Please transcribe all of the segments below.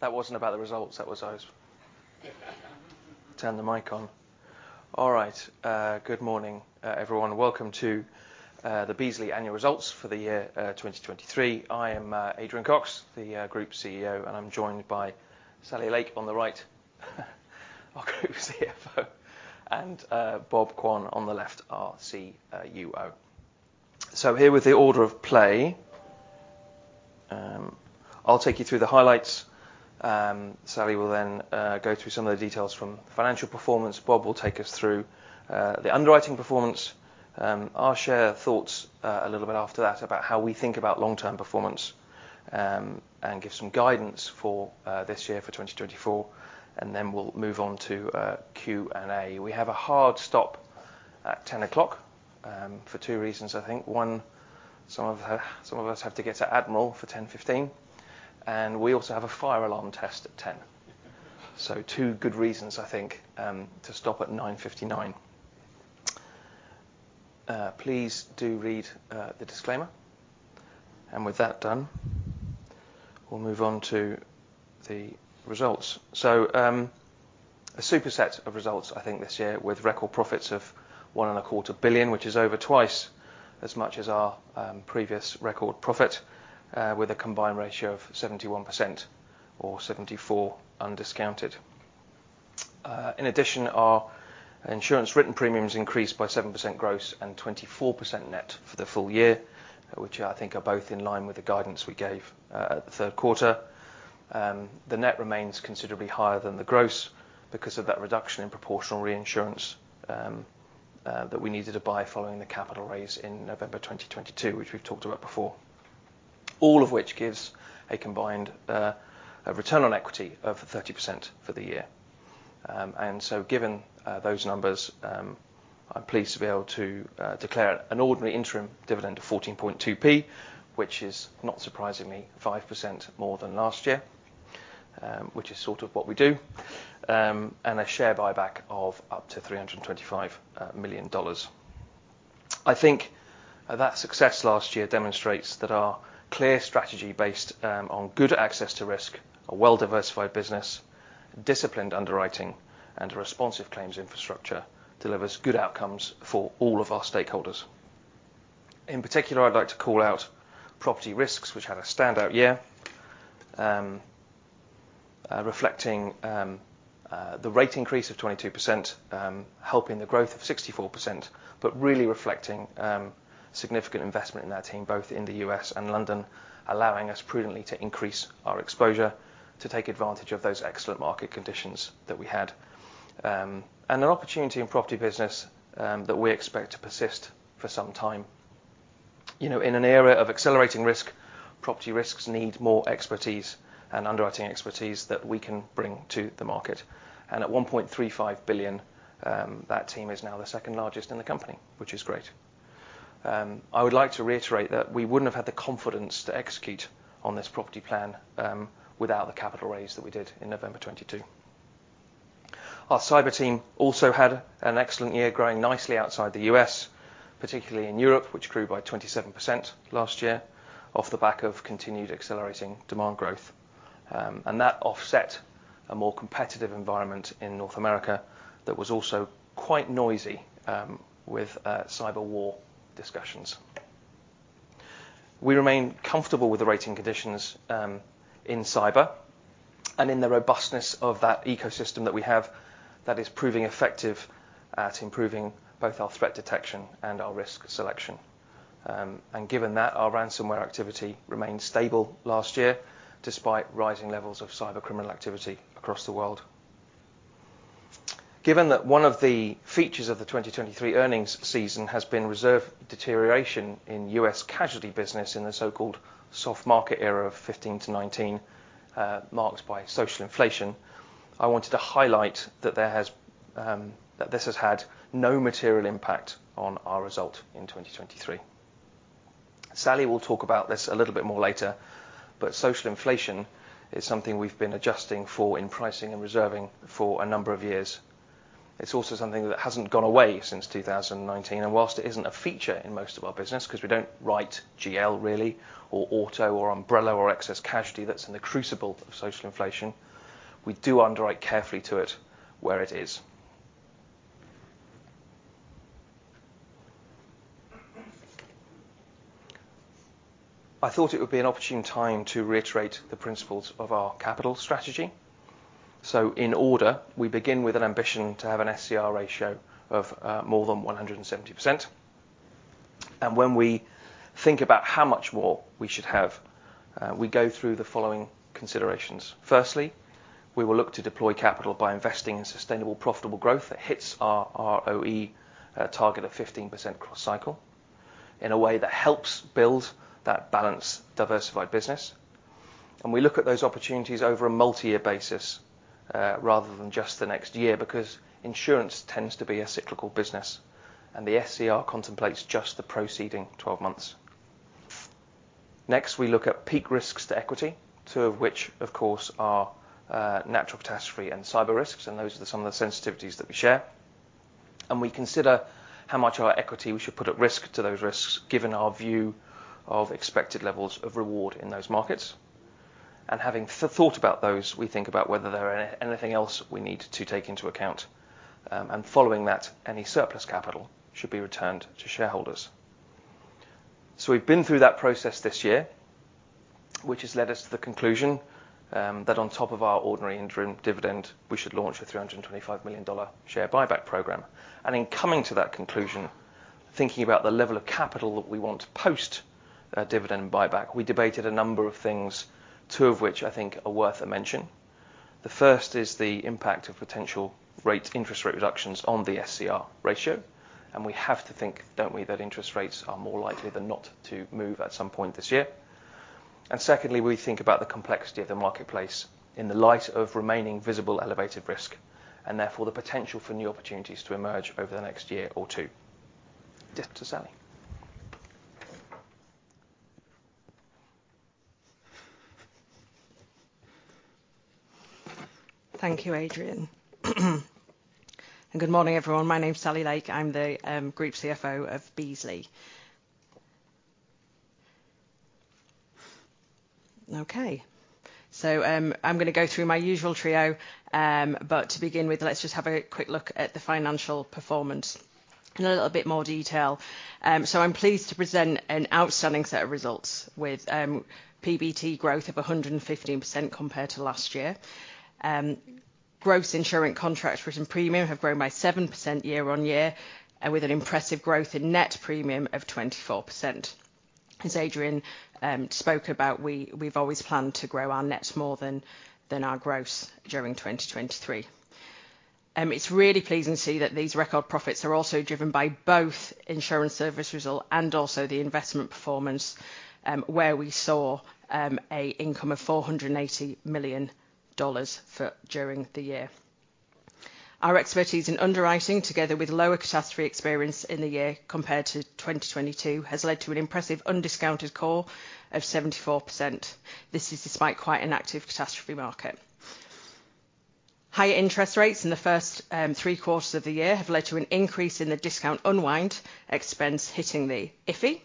That wasn't about the results. That was, I was turning the mic on. All right, good morning, everyone. Welcome to the Beazley annual results for the year 2023. I am Adrian Cox, the Group CEO, and I'm joined by Sally Lake on the right, our Group CFO, and Bob Quane on the left, our CUO. So here with the order of play, I'll take you through the highlights. Sally will then go through some of the details from financial performance. Bob will take us through the underwriting performance. I'll share thoughts a little bit after that about how we think about long-term performance, and give some guidance for this year for 2024, and then we'll move on to Q&A. We have a hard stop at 10:00 A.M. for two reasons, I think. One, some of, some of us have to get to Admiral for 10:15 A.M., and we also have a fire alarm test at 10:00 A.M. So two good reasons, I think, to stop at 9:59 A.M. Please do read the disclaimer, and with that done, we'll move on to the results. So, a superset of results, I think, this year, with record profits of $1.25 billion, which is over twice as much as our previous record profit, with a combined ratio of 71% or 74 undiscounted. In addition, our insurance written premiums increased by 7% gross and 24% net for the full year, which I think are both in line with the guidance we gave at the third quarter. The net remains considerably higher than the gross because of that reduction in proportional reinsurance that we needed to buy following the capital raise in November 2022, which we've talked about before. All of which gives a combined return on equity of 30% for the year. And so given those numbers, I'm pleased to be able to declare an ordinary interim dividend of 14.2p, which is, not surprisingly, 5% more than last year, which is sort of what we do, and a share buyback of up to $325 million. I think that success last year demonstrates that our clear strategy, based on good access to risk, a well-diversified business, disciplined underwriting, and a responsive claims infrastructure, delivers good outcomes for all of our stakeholders. In particular, I'd like to call out Property Risks, which had a standout year. Reflecting the rate increase of 22%, helping the growth of 64%, but really reflecting significant investment in our team, both in the U.S. and London, allowing us prudently to increase our exposure to take advantage of those excellent market conditions that we had. And an opportunity in property business that we expect to persist for some time. You know, in an era of accelerating risk, Property Risks need more expertise and underwriting expertise that we can bring to the market. And at $1.35 billion, that team is now the second largest in the company, which is great. I would like to reiterate that we wouldn't have had the confidence to execute on this property plan, without the capital raise that we did in November 2022. Our cyber team also had an excellent year, growing nicely outside the U.S., particularly in Europe, which grew by 27% last year, off the back of continued accelerating demand growth. That offset a more competitive environment in North America that was also quite noisy, with cyber war discussions. We remain comfortable with the rating conditions, in cyber and in the robustness of that ecosystem that we have that is proving effective at improving both our threat detection and our risk selection. Given that, our ransomware activity remained stable last year, despite rising levels of cyber criminal activity across the world. Given that one of the features of the 2023 earnings season has been reserve deterioration in U.S. casualty business in the so-called soft market era of 15-19, marked by social inflation, I wanted to highlight that there has, that this has had no material impact on our result in 2023. Sally will talk about this a little bit more later, but social inflation is something we've been adjusting for in pricing and reserving for a number of years. It's also something that hasn't gone away since 2019, and whilst it isn't a feature in most of our business, 'cause we don't write GL really or auto or umbrella or excess casualty, that's in the crucible of social inflation, we do underwrite carefully to it where it is. I thought it would be an opportune time to reiterate the principles of our capital strategy. So in order, we begin with an ambition to have an SCR ratio of more than 170%. And when we think about how much more we should have, we go through the following considerations. Firstly, we will look to deploy capital by investing in sustainable, profitable growth that hits our ROE target of 15% cross cycle, in a way that helps build that balanced, diversified business. And we look at those opportunities over a multi-year basis, rather than just the next year, because insurance tends to be a cyclical business, and the SCR contemplates just the preceding twelve months. Next, we look at peak risks to equity, two of which, of course, are natural catastrophe and cyber risks, and those are some of the sensitivities that we share and we consider how much of our equity we should put at risk to those risks, given our view of expected levels of reward in those markets. And having thought about those, we think about whether there are anything else we need to take into account. And following that, any surplus capital should be returned to shareholders. So we've been through that process this year, which has led us to the conclusion that on top of our ordinary interim dividend, we should launch a $325 million share buyback program. In coming to that conclusion, thinking about the level of capital that we want to post, dividend buyback, we debated a number of things, two of which I think are worth a mention. The first is the impact of potential rate, interest rate reductions on the SCR ratio, and we have to think, don't we, that interest rates are more likely than not to move at some point this year. And secondly, we think about the complexity of the marketplace in the light of remaining visible elevated risk, and therefore the potential for new opportunities to emerge over the next year or two. To Sally. Thank you, Adrian. And good morning, everyone. My name is Sally Lake. I'm the Group CFO of Beazley. Okay. So, I'm gonna go through my usual trio, but to begin with, let's just have a quick look at the financial performance in a little bit more detail. So I'm pleased to present an outstanding set of results with PBT growth of 115% compared to last year. Gross insurance contracts written premium have grown by 7% year-over-year, and with an impressive growth in net premium of 24%. As Adrian spoke about, we've always planned to grow our nets more than our gross during 2023. It's really pleasing to see that these record profits are also driven by both insurance service result and also the investment performance, where we saw a income of $480 million during the year. Our expertise in underwriting, together with lower catastrophe experience in the year compared to 2022, has led to an impressive undiscounted core of 74%. This is despite quite an active catastrophe market. Higher interest rates in the first three quarters of the year have led to an increase in the discount unwind expense hitting the IFE,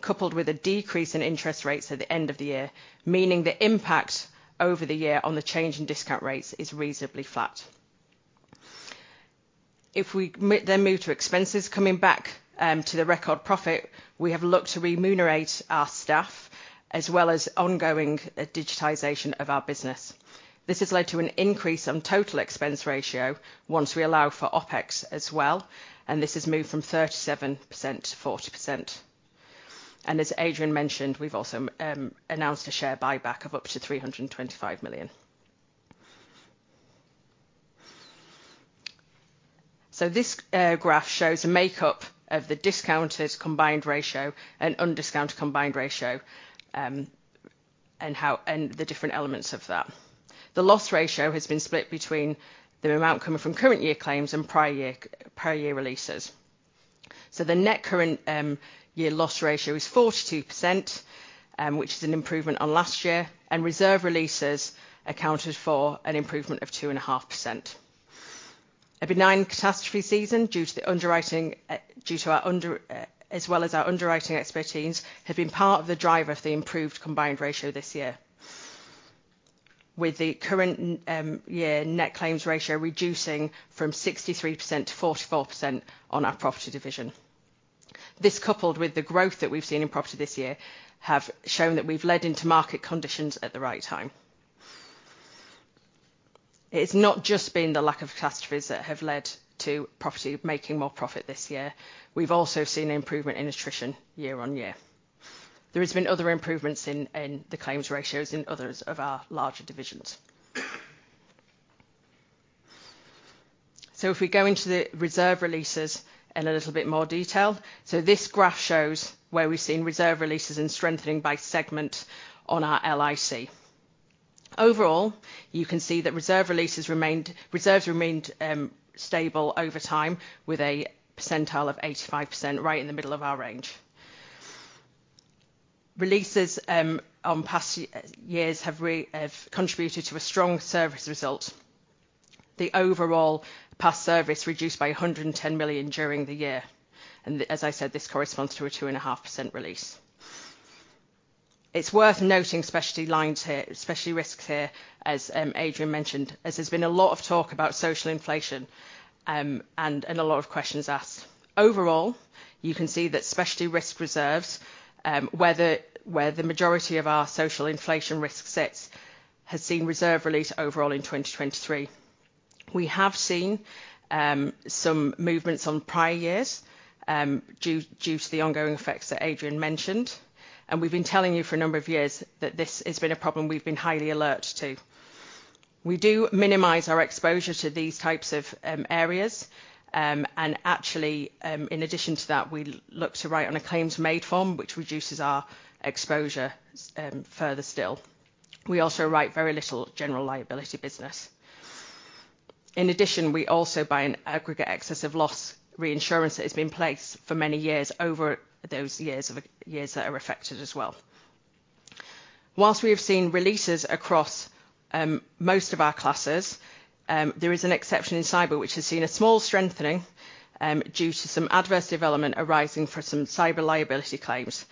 coupled with a decrease in interest rates at the end of the year, meaning the impact over the year on the change in discount rates is reasonably flat. If we then move to expenses, coming back to the record profit, we have looked to remunerate our staff, as well as ongoing digitization of our business. This has led to an increase on total expense ratio once we allow for OpEx as well, and this has moved from 37% to 40%. And as Adrian mentioned, we've also announced a share buyback of up to $325 million. So this graph shows a makeup of the discounted combined ratio and undiscounted combined ratio, and how and the different elements of that. The loss ratio has been split between the amount coming from current year claims and prior year, prior year releases. So the net current year loss ratio is 42%, which is an improvement on last year, and reserve releases accounted for an improvement of 2.5%. A benign catastrophe season, due to our underwriting expertise, have been part of the driver of the improved combined ratio this year. With the current year net claims ratio reducing from 63% to 44% on our property division. This, coupled with the growth that we've seen in property this year, have shown that we've led into market conditions at the right time. It's not just been the lack of catastrophes that have led to property making more profit this year. We've also seen an improvement in attrition year-over-year. There has been other improvements in the claims ratios in others of our larger divisions. So if we go into the reserve releases in a little bit more detail. So this graph shows where we've seen reserve releases and strengthening by segment on our LIC. Overall, you can see that reserve releases remained... reserves remained stable over time with a percentile of 85%, right in the middle of our range. Releases on past years have contributed to a strong service result. The overall past service reduced by $110 million during the year, and as I said, this corresponds to a 2.5% release. It's worth noting, Specialty Lines here, Specialty Risks here, as Adrian mentioned, as there's been a lot of talk about social inflation, and a lot of questions asked. Overall, you can see that Specialty Risk reserves, where the majority of our social Inflation risk sits, has seen reserve release overall in 2023. We have seen some movements on prior years due to the ongoing effects that Adrian mentioned, and we've been telling you for a number of years that this has been a problem we've been highly alert to. We do minimize our exposure to these types of areas, and actually, in addition to that, we look to write on a claims-made form, which reduces our exposure further still. We also write very little general liability business. In addition, we also buy an Aggregate Excess of Loss reinsurance that has been in place for many years over those years that are affected as well.... While we have seen releases across, most of our classes, there is an exception in cyber, which has seen a small strengthening, due to some adverse development arising from some cyber liability claims.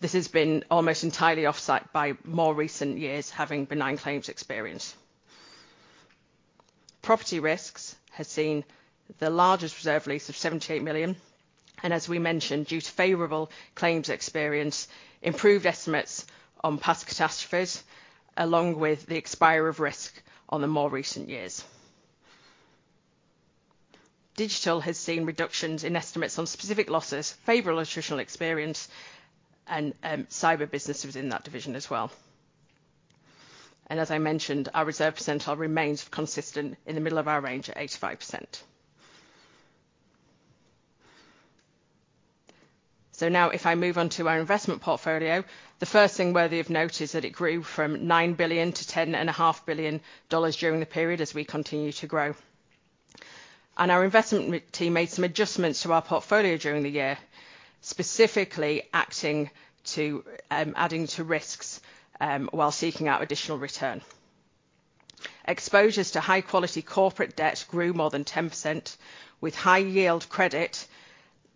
This has been almost entirely offset by more recent years having benign claims experience. Property Risks has seen the largest reserve release of 78 million, and as we mentioned, due to favorable claims experience, improved estimates on past catastrophes, along with the expiry of risk on the more recent years. Digital has seen reductions in estimates on specific losses, favorable attritional experience, and, cyber businesses in that division as well. And as I mentioned, our reserve percentile remains consistent in the middle of our range at 85%. So now if I move on to our investment portfolio, the first thing worthy of note is that it grew from $9 billion to $10.5 billion during the period as we continue to grow. Our investment team made some adjustments to our portfolio during the year, specifically acting to adding to risks while seeking out additional return. Exposures to high-quality corporate debt grew more than 10%, with high yield credit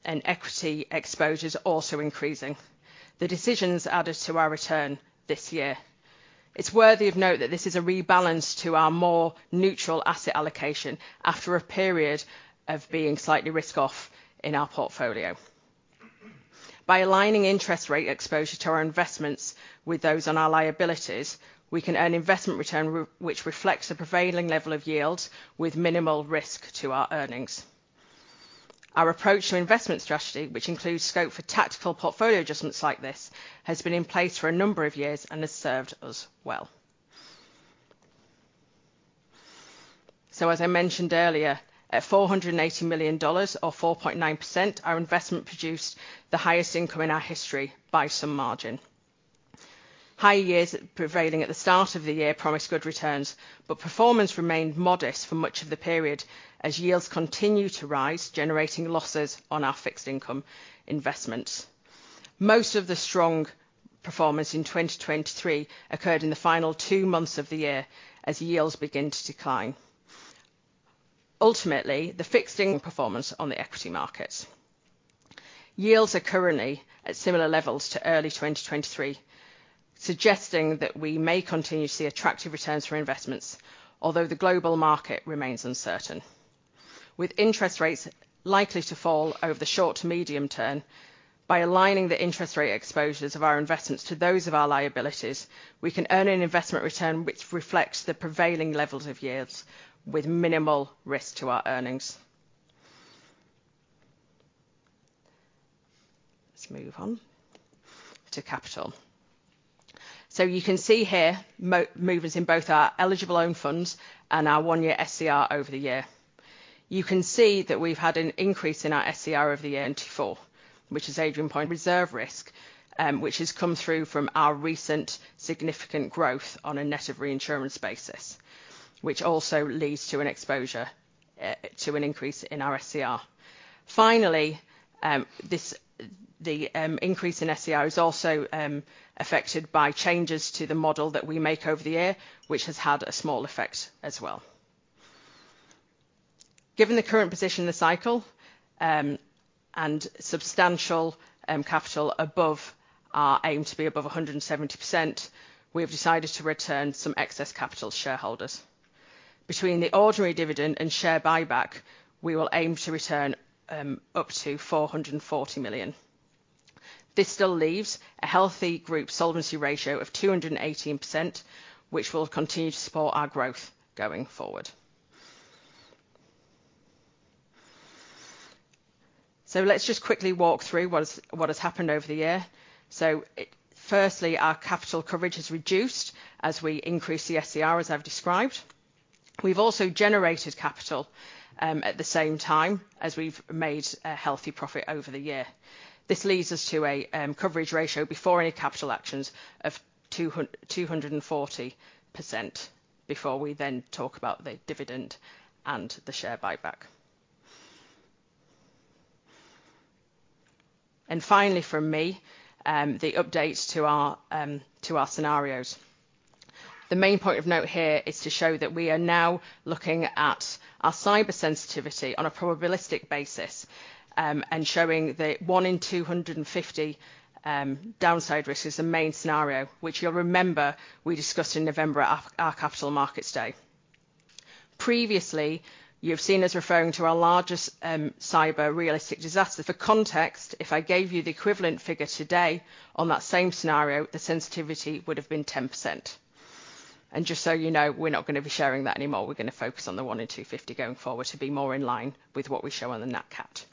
and equity exposures also increasing. The decisions added to our return this year. It's worthy of note that this is a rebalance to our more neutral asset allocation after a period of being slightly risk-off in our portfolio. By aligning interest rate exposure to our investments with those on our liabilities, we can earn investment return which reflects the prevailing level of yield with minimal risk to our earnings. Our approach to investment strategy, which includes scope for tactical portfolio adjustments like this, has been in place for a number of years and has served us well. So as I mentioned earlier, at $480 million, or 4.9%, our investment produced the highest income in our history by some margin. High yields prevailing at the start of the year promised good returns, but performance remained modest for much of the period as yields continued to rise, generating losses on our fixed income investments. Most of the strong performance in 2023 occurred in the final two months of the year as yields begin to decline. Ultimately, the fixed income performance on the equity markets. Yields are currently at similar levels to early 2023, suggesting that we may continue to see attractive returns for investments, although the global market remains uncertain. With interest rates likely to fall over the short to medium term, by aligning the interest rate exposures of our investments to those of our liabilities, we can earn an investment return which reflects the prevailing levels of yields with minimal risk to our earnings. Let's move on to capital. So you can see here, movements in both our eligible own funds and our one-year SCR over the year. You can see that we've had an increase in our SCR over the year in Q4, which is Adrian's point, reserve risk, which has come through from our recent significant growth on a net of reinsurance basis, which also leads to an exposure to an increase in our SCR. Finally, the increase in SCR is also affected by changes to the model that we make over the year, which has had a small effect as well. Given the current position in the cycle, and substantial capital above our aim to be above 170%, we have decided to return some excess capital to shareholders. Between the ordinary dividend and share buyback, we will aim to return up to 440 million. This still leaves a healthy group solvency ratio of 218%, which will continue to support our growth going forward. So let's just quickly walk through what has happened over the year. So, firstly, our capital coverage has reduced as we increase the SCR, as I've described. We've also generated capital, at the same time as we've made a healthy profit over the year. This leads us to a coverage ratio before any capital actions of 240% before we then talk about the dividend and the share buyback. Finally, from me, the updates to our, to our scenarios. The main point of note here is to show that we are now looking at our cyber sensitivity on a probabilistic basis, and showing that 1 in 250 downside risk is the main scenario, which you'll remember we discussed in November at our, our Capital Markets Day. Previously, you've seen us referring to our largest, Cyber Realistic Disaster. For context, if I gave you the equivalent figure today on that same scenario, the sensitivity would have been 10%. And just so you know, we're not going to be sharing that anymore. We're going to focus on the 1 in 250 going forward to be more in line with what we show on the Nat Cat.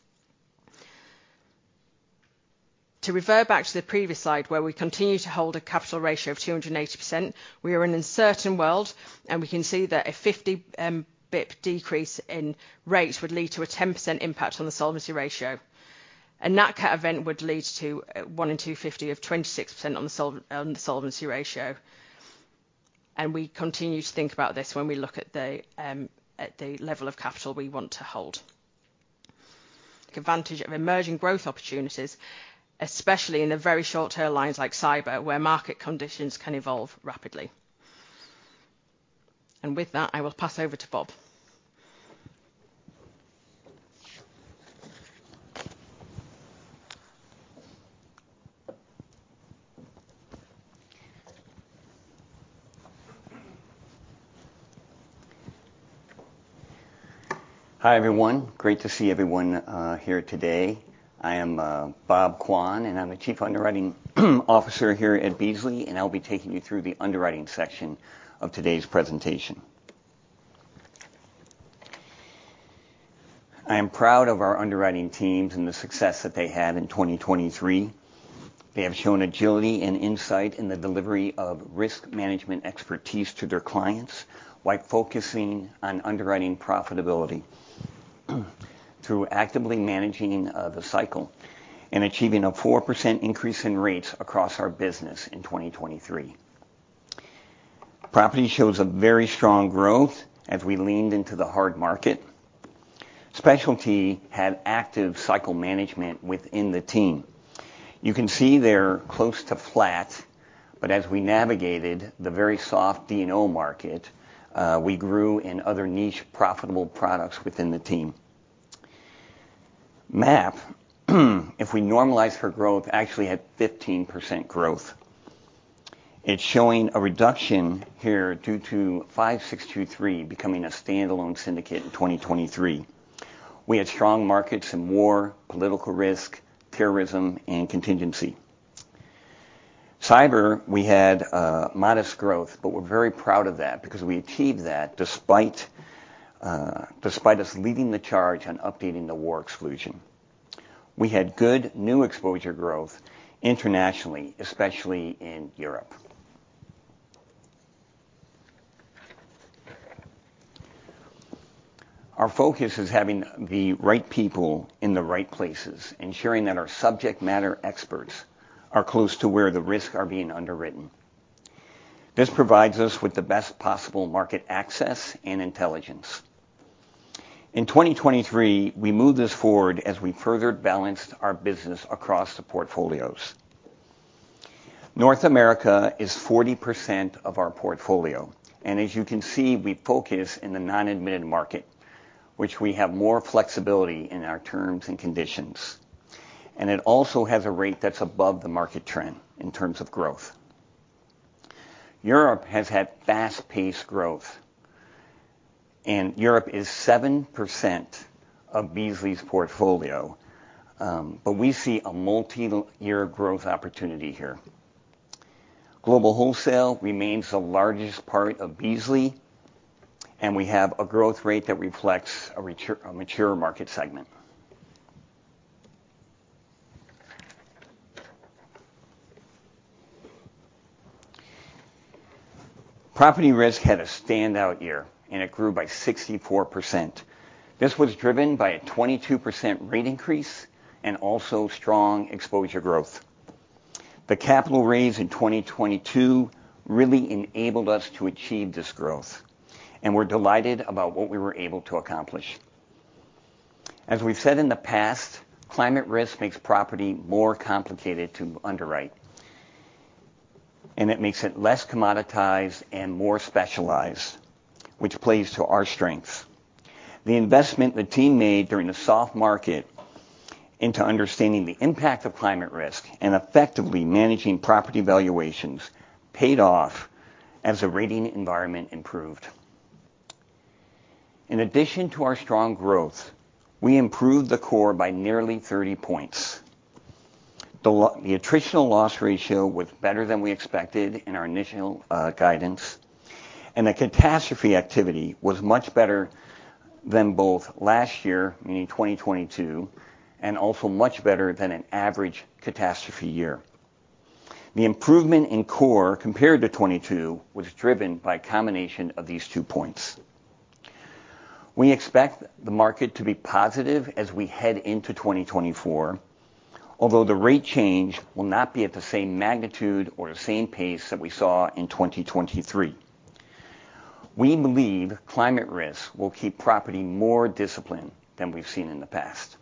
To refer back to the previous slide, where we continue to hold a capital ratio of 280%, we are in an uncertain world, and we can see that a 50 bp decrease in rates would lead to a 10% impact on the solvency ratio. A Nat Cat event would lead to 1 in 250 of 26% on the solvency ratio, and we continue to think about this when we look at the level of capital we want to hold. take advantage of emerging growth opportunities, especially in the very short-term lines like cyber, where market conditions can evolve rapidly. And with that, I will pass over to Bob. Hi, everyone. Great to see everyone here today. I am Bob Quane, and I'm the Chief Underwriting Officer here at Beazley, and I'll be taking you through the underwriting section of today's presentation. I am proud of our underwriting teams and the success that they had in 2023. They have shown agility and insight in the delivery of risk management expertise to their clients, while focusing on underwriting profitability, through actively managing the cycle and achieving a 4% increase in rates across our business in 2023. Property shows a very strong growth as we leaned into the hard market. Specialty had active cycle management within the team. You can see they're close to flat, but as we navigated the very soft D&O market, we grew in other niche, profitable products within the team. MAP, if we normalize for growth, actually had 15% growth. It's showing a reduction here due to 5623 becoming a standalone syndicate in 2023. We had strong markets in war, political risk, terrorism, and contingency. Cyber, we had modest growth, but we're very proud of that because we achieved that despite us leading the charge on updating the war exclusion. We had good new exposure growth internationally, especially in Europe. Our focus is having the right people in the right places, ensuring that our subject matter experts are close to where the risks are being underwritten. This provides us with the best possible market access and intelligence. In 2023, we moved this forward as we further balanced our business across the portfolios. North America is 40% of our portfolio, and as you can see, we focus in the non-admitted market, which we have more flexibility in our terms and conditions, and it also has a rate that's above the market trend in terms of growth. Europe has had fast-paced growth, and Europe is 7% of Beazley's portfolio, but we see a multi-year growth opportunity here. Global Wholesale remains the largest part of Beazley, and we have a growth rate that reflects a mature market segment. Property Risk had a standout year, and it grew by 64%. This was driven by a 22% rate increase and also strong exposure growth. The capital raise in 2022 really enabled us to achieve this growth, and we're delighted about what we were able to accomplish. As we've said in the past, climate risk makes property more complicated to underwrite, and it makes it less commoditized and more specialized, which plays to our strengths. The investment the team made during the soft market into understanding the impact of climate risk and effectively managing property valuations paid off as the rating environment improved. In addition to our strong growth, we improved the core by nearly 30 points. The attritional loss ratio was better than we expected in our initial guidance, and the catastrophe activity was much better than both last year, meaning 2022, and also much better than an average catastrophe year. The improvement in core, compared to 2022, was driven by a combination of these two points. We expect the market to be positive as we head into 2024, although the rate change will not be at the same magnitude or the same pace that we saw in 2023. We believe climate risk will keep property more disciplined than we've seen in the past.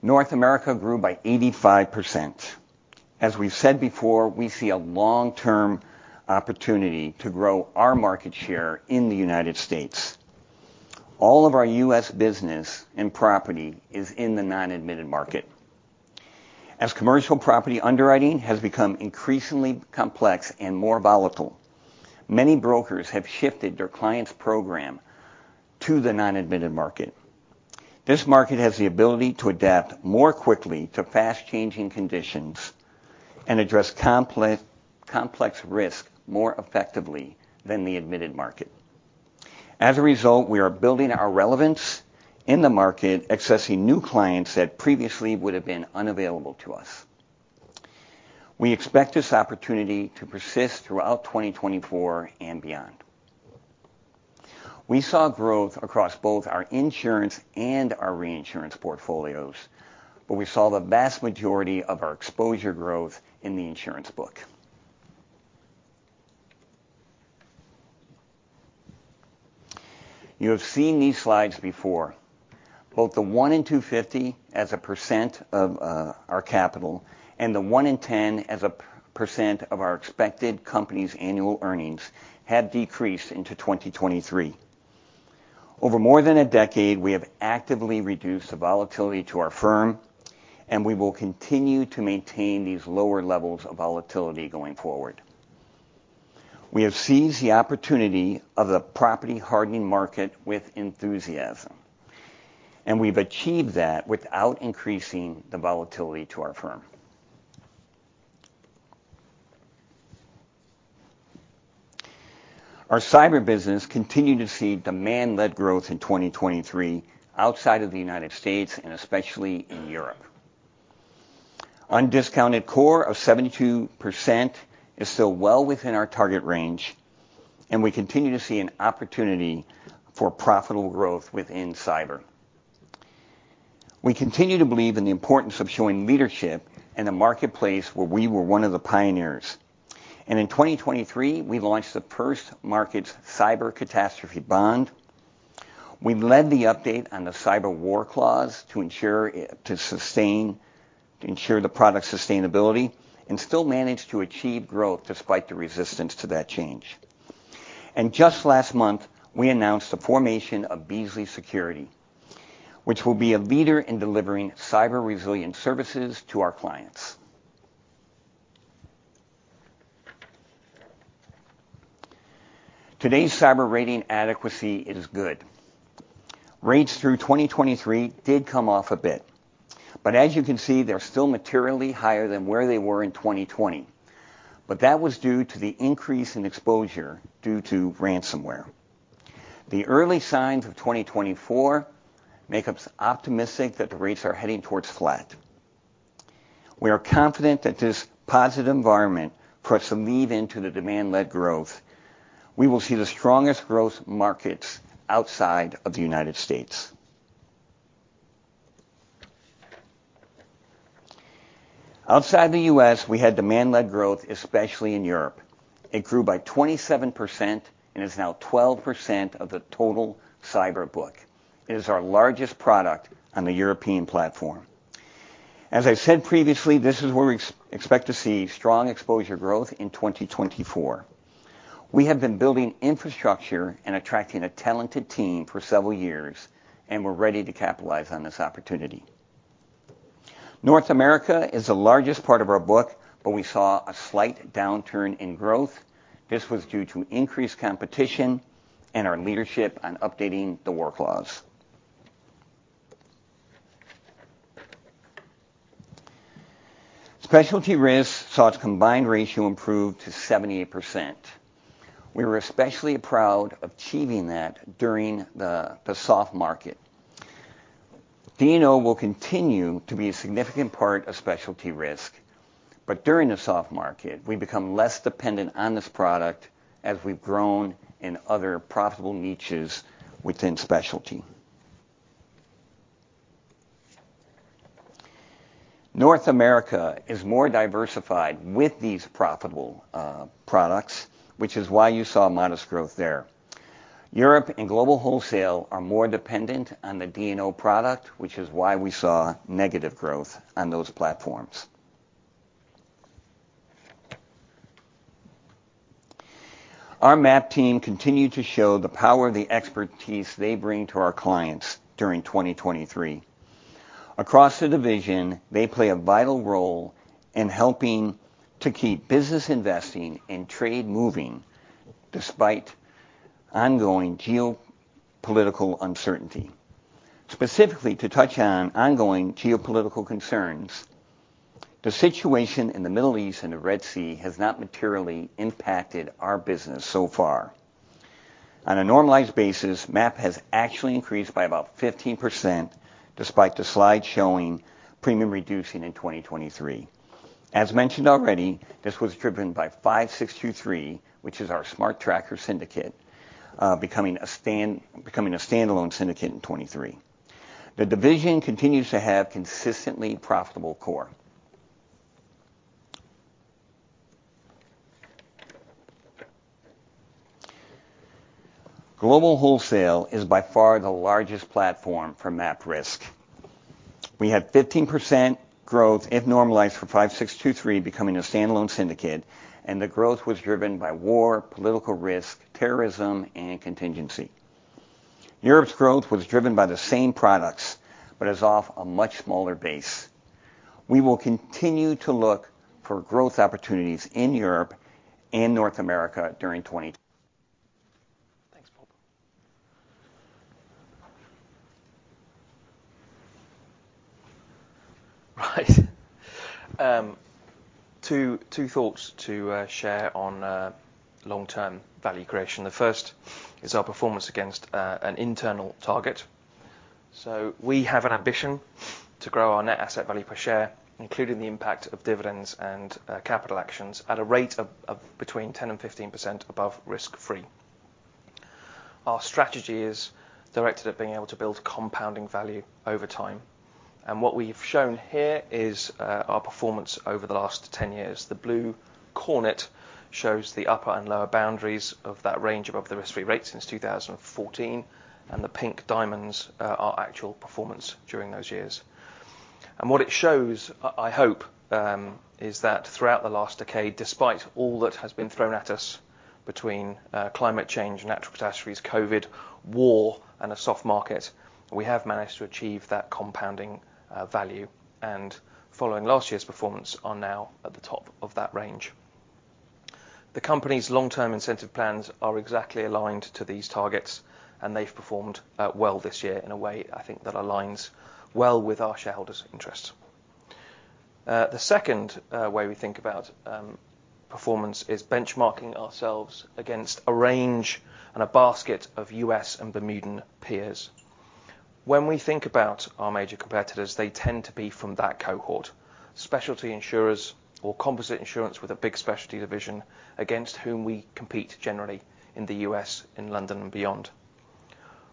North America grew by 85%. As we've said before, we see a long-term opportunity to grow our market share in the United States. All of our U.S. business and property is in the non-admitted market. As commercial property underwriting has become increasingly complex and more volatile, many brokers have shifted their clients' program to the non-admitted market. This market has the ability to adapt more quickly to fast-changing conditions and address complex risk more effectively than the admitted market. As a result, we are building our relevance in the market, accessing new clients that previously would have been unavailable to us. We expect this opportunity to persist throughout 2024 and beyond. We saw growth across both our insurance and our reinsurance portfolios, but we saw the vast majority of our exposure growth in the insurance book. You have seen these slides before. Both the 1 in 250 as a % of our capital and the 1 in 10 as a % of our expected company's annual earnings have decreased into 2023. Over more than a decade, we have actively reduced the volatility to our firm, and we will continue to maintain these lower levels of volatility going forward. We have seized the opportunity of the property hardening market with enthusiasm, and we've achieved that without increasing the volatility to our firm. Our cyber business continued to see demand-led growth in 2023 outside of the United States and especially in Europe. Undiscounted core of 72% is still well within our target range, and we continue to see an opportunity for profitable growth within cyber. We continue to believe in the importance of showing leadership in the marketplace where we were one of the pioneers, and in 2023, we launched the first markets cyber catastrophe bond. We led the update on the cyber war clause to ensure the product's sustainability and still managed to achieve growth despite the resistance to that change. Just last month, we announced the formation of Beazley Security, which will be a leader in delivering cyber resilience services to our clients. Today's cyber rating adequacy is good. Rates through 2023 did come off a bit, but as you can see, they're still materially higher than where they were in 2020. That was due to the increase in exposure due to ransomware. The early signs of 2024 make us optimistic that the rates are heading towards flat. We are confident that this positive environment puts a lean into the demand-led growth. We will see the strongest growth markets outside of the United States. Outside the U.S., we had demand-led growth, especially in Europe. It grew by 27% and is now 12% of the total cyber book. It is our largest product on the European platform. As I said previously, this is where we expect to see strong exposure growth in 2024. We have been building infrastructure and attracting a talented team for several years, and we're ready to capitalize on this opportunity. North America is the largest part of our book, but we saw a slight downturn in growth. This was due to increased competition and our leadership on updating the war clause. Specialty Risks saw its combined ratio improve to 78%. We were especially proud of achieving that during the soft market. D&O will continue to be a significant part of Specialty Risk, but during the soft market, we've become less dependent on this product as we've grown in other profitable niches within specialty. North America is more diversified with these profitable products, which is why you saw modest growth there. Europe and global wholesale are more dependent on the D&O product, which is why we saw negative growth on those platforms. Our MAP team continued to show the power of the expertise they bring to our clients during 2023. Across the division, they play a vital role in helping to keep business investing and trade moving despite ongoing geopolitical uncertainty. Specifically, to touch on ongoing geopolitical concerns, the situation in the Middle East and the Red Sea has not materially impacted our business so far. On a normalized basis, MAP has actually increased by about 15%, despite the slide showing premium reducing in 2023. As mentioned already, this was driven by 5623, which is our Smart Tracker syndicate, becoming a standalone syndicate in 2023. The division continues to have consistently profitable core. Global Wholesale is by far the largest platform for MAP risk. We had 15% growth if normalized for 5623 becoming a standalone syndicate, and the growth was driven by war, political risk, terrorism, and contingency. Europe's growth was driven by the same products, but is off a much smaller base. We will continue to look for growth opportunities in Europe and North America during 20... Thanks, Bob. Two thoughts to share on long-term value creation. The first is our performance against an internal target. So we have an ambition to grow our net asset value per share, including the impact of dividends and capital actions at a rate of between 10% and 15% above risk-free. Our strategy is directed at being able to build compounding value over time, and what we've shown here is our performance over the last 10 years. The blue corridor shows the upper and lower boundaries of that range above the risk-free rate since 2014, and the pink diamonds are our actual performance during those years. What it shows, I hope, is that throughout the last decade, despite all that has been thrown at us between, climate change, natural catastrophes, COVID, war, and a soft market, we have managed to achieve that compounding, value, and following last year's performance, are now at the top of that range. The company's long-term incentive plans are exactly aligned to these targets, and they've performed, well this year in a way I think that aligns well with our shareholders' interests. The second, way we think about, performance is benchmarking ourselves against a range and a basket of U.S. and Bermudan peers. When we think about our major competitors, they tend to be from that cohort, specialty insurers or composite insurance with a big specialty division, against whom we compete generally in the U.S., in London and beyond.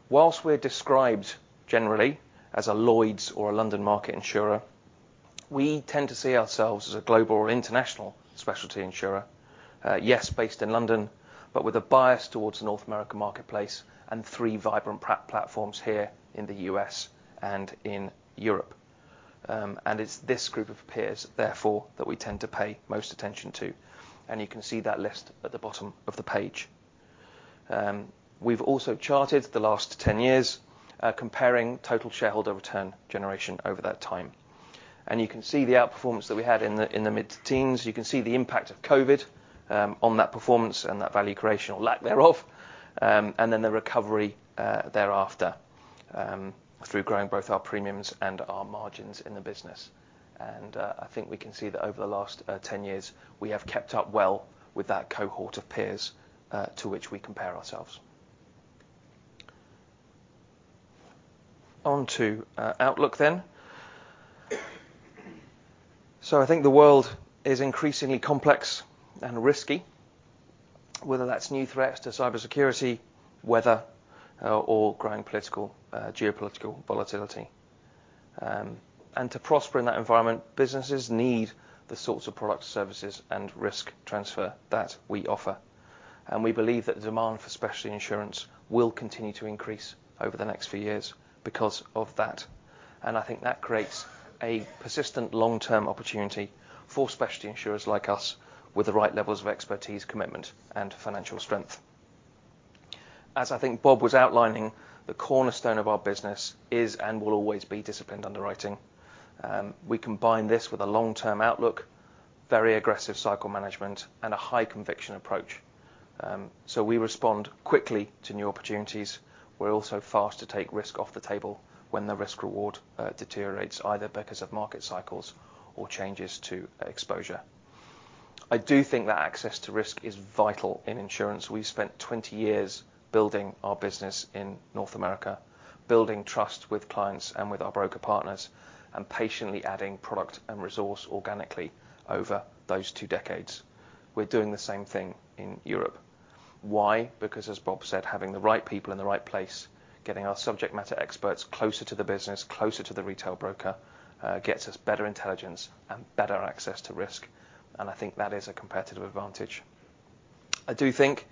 Whilst we're described generally as a Lloyd's or a London market insurer, we tend to see ourselves as a global or international specialty insurer. Yes, based in London, but with a bias towards North American marketplace and three vibrant platforms here in the U.S. and in Europe. And it's this group of peers, therefore, that we tend to pay most attention to, and you can see that list at the bottom of the page. We've also charted the last 10 years, comparing total shareholder return generation over that time. And you can see the outperformance that we had in the mid-teens. You can see the impact of COVID on that performance and that value creation, or lack thereof, and then the recovery thereafter through growing both our premiums and our margins in the business. I think we can see that over the last 10 years, we have kept up well with that cohort of peers to which we compare ourselves. On to outlook then. I think the world is increasingly complex and risky, whether that's new threats to cybersecurity, weather, or growing political geopolitical volatility. To prosper in that environment, businesses need the sorts of products, services, and risk transfer that we offer, and we believe that the demand for specialty insurance will continue to increase over the next few years because of that. I think that creates a persistent long-term opportunity for specialty insurers like us, with the right levels of expertise, commitment, and financial strength. As I think Bob was outlining, the cornerstone of our business is and will always be disciplined underwriting. We combine this with a long-term outlook, very aggressive cycle management, and a high conviction approach. So we respond quickly to new opportunities. We're also fast to take risk off the table when the risk reward deteriorates, either because of market cycles or changes to exposure. I do think that access to risk is vital in insurance. We've spent 20 years building our business in North America, building trust with clients and with our broker partners, and patiently adding product and resource organically over those 2 decades. We're doing the same thing in Europe. Why? Because, as Bob said, having the right people in the right place, getting our subject matter experts closer to the business, closer to the retail broker, gets us better intelligence and better access to risk, and I think that is a competitive advantage. I do think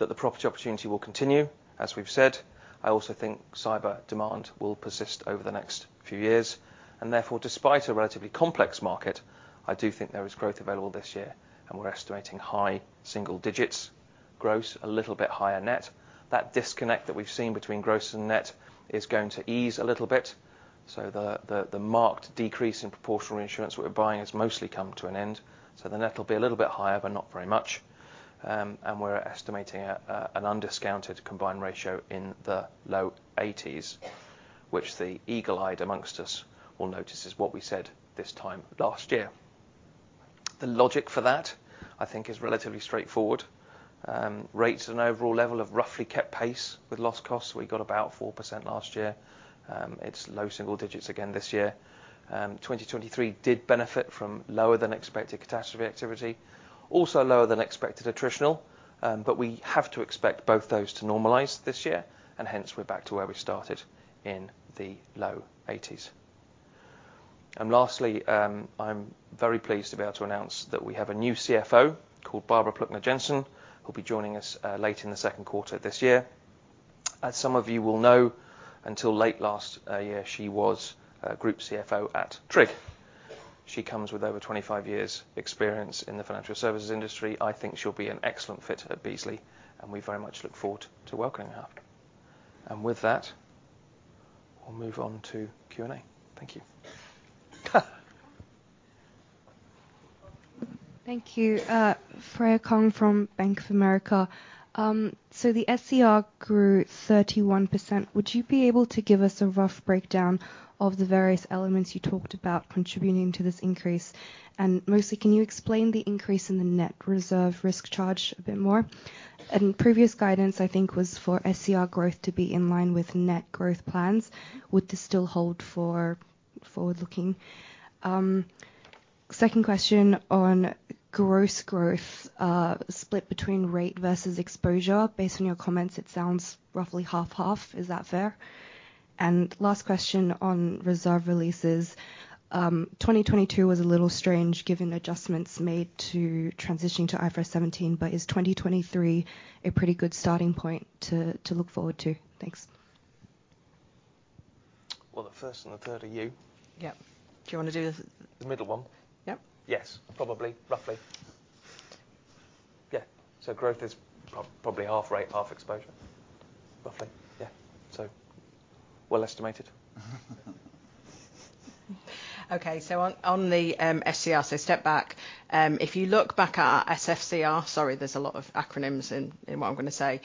that the property opportunity will continue, as we've said. I also think cyber demand will persist over the next few years, and therefore, despite a relatively complex market, I do think there is growth available this year, and we're estimating high single digits growth, a little bit higher net. That disconnect that we've seen between gross and net is going to ease a little bit, so the marked decrease in proportional insurance we're buying has mostly come to an end. So the net will be a little bit higher, but not very much. And we're estimating an undiscounted combined ratio in the low 80s, which the eagle-eyed amongst us will notice is what we said this time last year. The logic for that, I think, is relatively straightforward. Rates at an overall level have roughly kept pace with loss costs. We got about 4% last year. It's low single digits again this year. 2023 did benefit from lower than expected catastrophe activity, also lower than expected attritional, but we have to expect both those to normalize this year, and hence we're back to where we started in the low 80s. And lastly, I'm very pleased to be able to announce that we have a new CFO called Barbara Plucnar Jensen, who'll be joining us late in the second quarter this year. As some of you will know, until late last year, she was group CFO at Tryg. She comes with over 25 years' experience in the financial services industry. I think she'll be an excellent fit at Beazley, and we very much look forward to welcoming her. And with that, we'll move on to Q&A. Thank you. Thank you. Freya Kong from Bank of America. So the SCR grew 31%. Would you be able to give us a rough breakdown of the various elements you talked about contributing to this increase? And mostly, can you explain the increase in the net reserve risk charge a bit more? And previous guidance, I think, was for SCR growth to be in line with net growth plans. Would this still hold for forward-looking? Second question on gross growth, split between rate versus exposure. Based on your comments, it sounds roughly 50/50. Is that fair? And last question on reserve releases. 2022 was a little strange, given the adjustments made to transitioning to IFRS 17, but is 2023 a pretty good starting point to look forward to? Thanks. Well, the first and the third are you. Yeah. Do you want to do the- The middle one? Yep. Yes, probably, roughly. Yeah. So growth is probably half rate, half exposure. Roughly, yeah. So well estimated. Okay, so on the SCR, so step back. If you look back at our SFCR. Sorry, there's a lot of acronyms in what I'm going to say.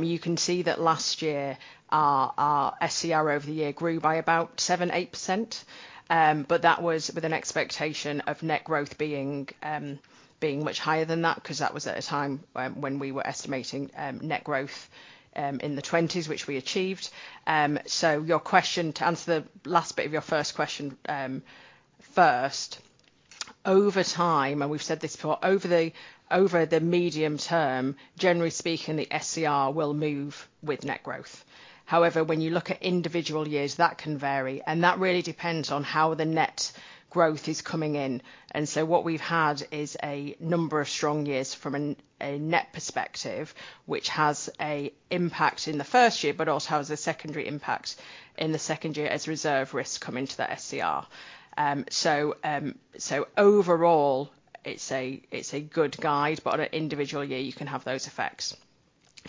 You can see that last year, our SCR over the year grew by about 7-8%. But that was with an expectation of net growth being much higher than that, 'cause that was at a time when we were estimating net growth in the 20s, which we achieved. So your question, to answer the last bit of your first question, first, over time, and we've said this before, over the medium term, generally speaking, the SCR will move with net growth. However, when you look at individual years, that can vary, and that really depends on how the net growth is coming in. And so what we've had is a number of strong years from a net perspective, which has an impact in the first year, but also has a secondary impact in the second year as reserve risks come into that SCR. So overall, it's a good guide, but on an individual year, you can have those effects.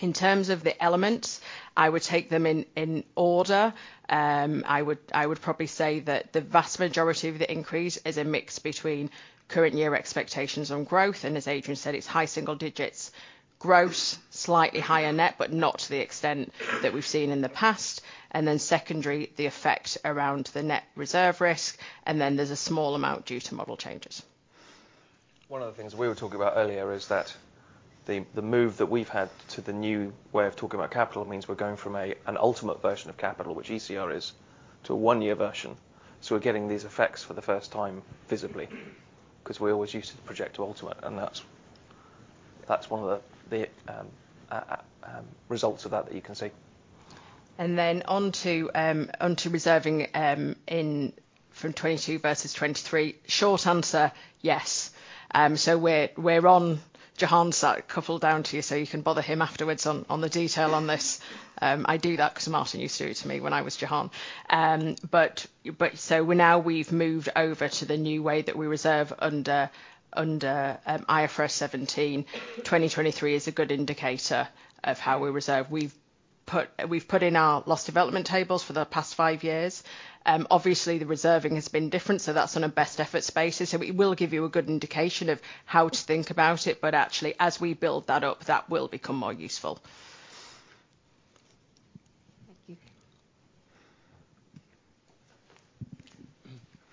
In terms of the elements, I would take them in order. I would probably say that the vast majority of the increase is a mix between current year expectations on growth, and as Adrian said, it's high single digits growth, slightly higher net, but not to the extent that we've seen in the past. And then secondary, the effect around the net reserve risk, and then there's a small amount due to model changes. One of the things we were talking about earlier is that the move that we've had to the new way of talking about capital means we're going from an ultimate version of capital, which ECR is, to a one-year version. So we're getting these effects for the first time, visibly, 'cause we always used to project to ultimate, and that's one of the results of that that you can see. And then on to reserving in from 2022 versus 2023. Short answer, yes. So we're on Jehan's side. Couple down to you, so you can bother him afterwards on the detail on this. I do that 'cause Martin used to do it to me when I was Jehan. But so we've now moved over to the new way that we reserve under IFRS 17. 2023 is a good indicator of how we reserve. We've put in our loss development tables for the past 5 years. Obviously, the reserving has been different, so that's on a best effort basis. So it will give you a good indication of how to think about it, but actually, as we build that up, that will become more useful. Thank you.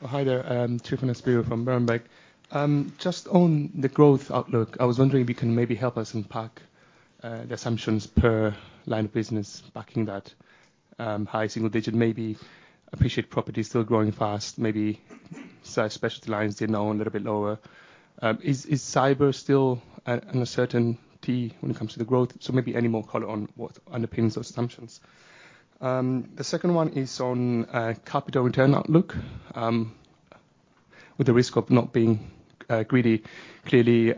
Oh, hi there, Tryfonas Spyrou from Berenberg. Just on the growth outlook, I was wondering if you can maybe help us unpack the assumptions per line of business backing that high single digit. Maybe separate property is still growing fast. Maybe so specialty lines, they're now a little bit lower. Is cyber still an uncertainty when it comes to the growth? So maybe any more color on what underpins those assumptions. The second one is on capital return outlook. With the risk of not being greedy, clearly,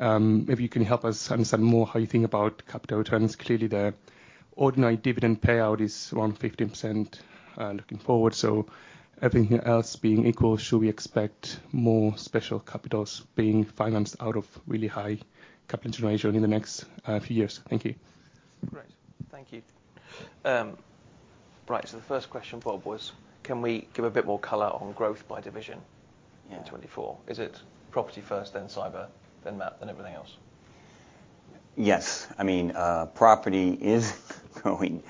if you can help us understand more how you think about capital returns. Clearly, the ordinary dividend payout is around 15%, looking forward. So everything else being equal, should we expect more special capitals being financed out of really high capital generation in the next few years? Thank you. Great. Thank you. Right, so the first question for Bob was, can we give a bit more color on growth by division? Yeah. in 2024? Is it property first, then cyber, then map, then everything else? Yes. I mean, property is growing.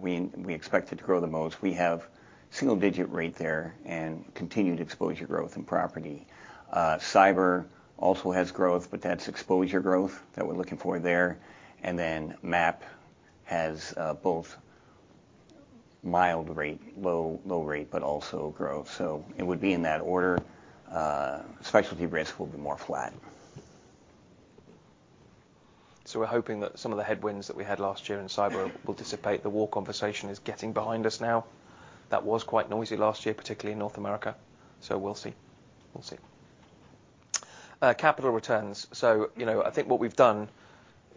We expect it to grow the most. We have single digit rate there and continued exposure growth in property. Cyber also has growth, but that's exposure growth that we're looking for there. And then MAP has both mild rate, low rate, but also growth. So it would be in that order. Specialty risk will be more flat. So we're hoping that some of the headwinds that we had last year in cyber will dissipate. The war conversation is getting behind us now. That was quite noisy last year, particularly in North America, so we'll see, we'll see. Capital returns. So, you know, I think what we've done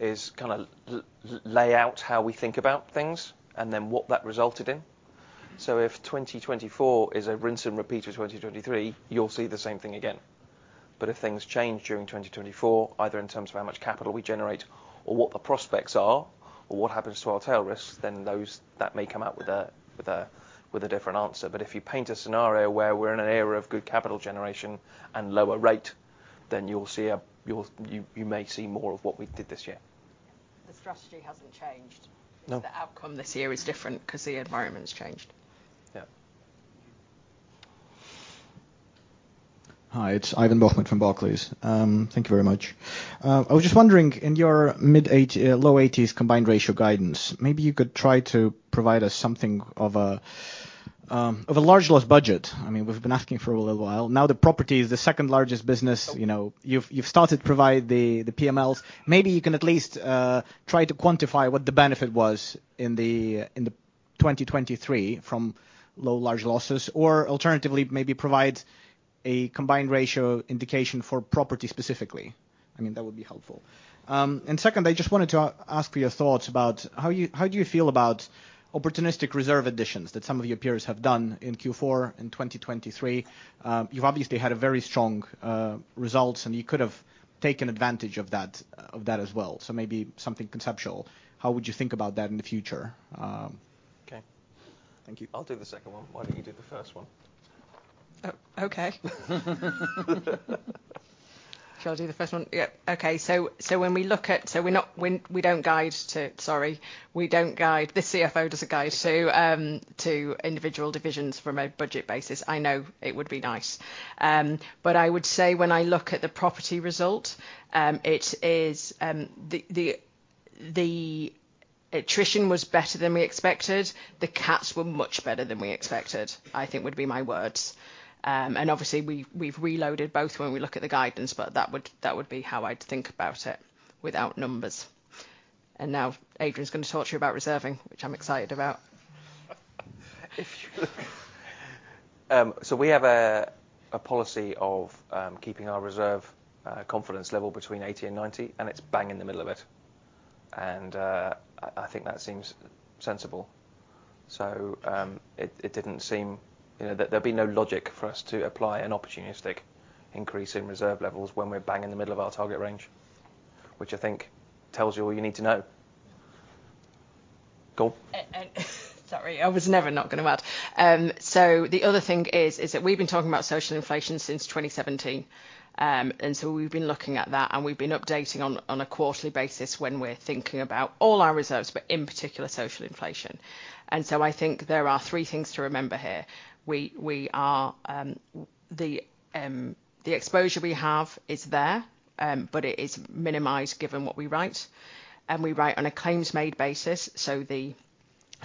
is kind of lay out how we think about things and then what that resulted in. So if 2024 is a rinse and repeat of 2023, you'll see the same thing again. But if things change during 2024, either in terms of how much capital we generate or what the prospects are or what happens to our tail risks, then those, that may come out with a, with a, with a different answer. But if you paint a scenario where we're in an era of good capital generation and lower rate, then you'll see, you may see more of what we did this year. The strategy hasn't changed. No. The outcome this year is different 'cause the environment's changed. Yeah. Hi, it's Ivan Bokhmat from Barclays. Thank you very much. I was just wondering, in your mid-80s, low 80s combined ratio guidance, maybe you could try to provide us something of a... Of a large loss budget. I mean, we've been asking for a little while. Now, the property is the second largest business. You know, you've started to provide the PMLs. Maybe you can at least try to quantify what the benefit was in the 2023 from low large losses, or alternatively, maybe provide a combined ratio indication for property specifically. I mean, that would be helpful. And second, I just wanted to ask for your thoughts about how you, how do you feel about opportunistic reserve additions that some of your peers have done in Q4, in 2023? You've obviously had a very strong results, and you could have taken advantage of that, of that as well. So maybe something conceptual, how would you think about that in the future? Okay. Thank you. I'll do the second one. Why don't you do the first one? Oh, okay. Shall I do the first one? Yep. Okay. So when we look at... So we're not—we don't guide to... Sorry, we don't guide. The CFO doesn't guide to individual divisions from a budget basis. I know it would be nice. But I would say when I look at the property result, it is the attrition was better than we expected. The cats were much better than we expected, I think would be my words. And obviously, we've reloaded both when we look at the guidance, but that would be how I'd think about it without numbers. And now Adrian's gonna talk to you about reserving, which I'm excited about. So we have a policy of keeping our reserve confidence level between 80 and 90, and it's bang in the middle of it. I think that seems sensible. It didn't seem, you know, there'd be no logic for us to apply an opportunistic increase in reserve levels when we're bang in the middle of our target range, which I think tells you all you need to know. Go. Sorry, I was never not gonna add. So the other thing is that we've been talking about social inflation since 2017. And so we've been looking at that, and we've been updating on a quarterly basis when we're thinking about all our reserves, but in particular, social inflation. And so I think there are three things to remember here. The exposure we have is there, but it is minimized given what we write, and we write on a claims-made basis, so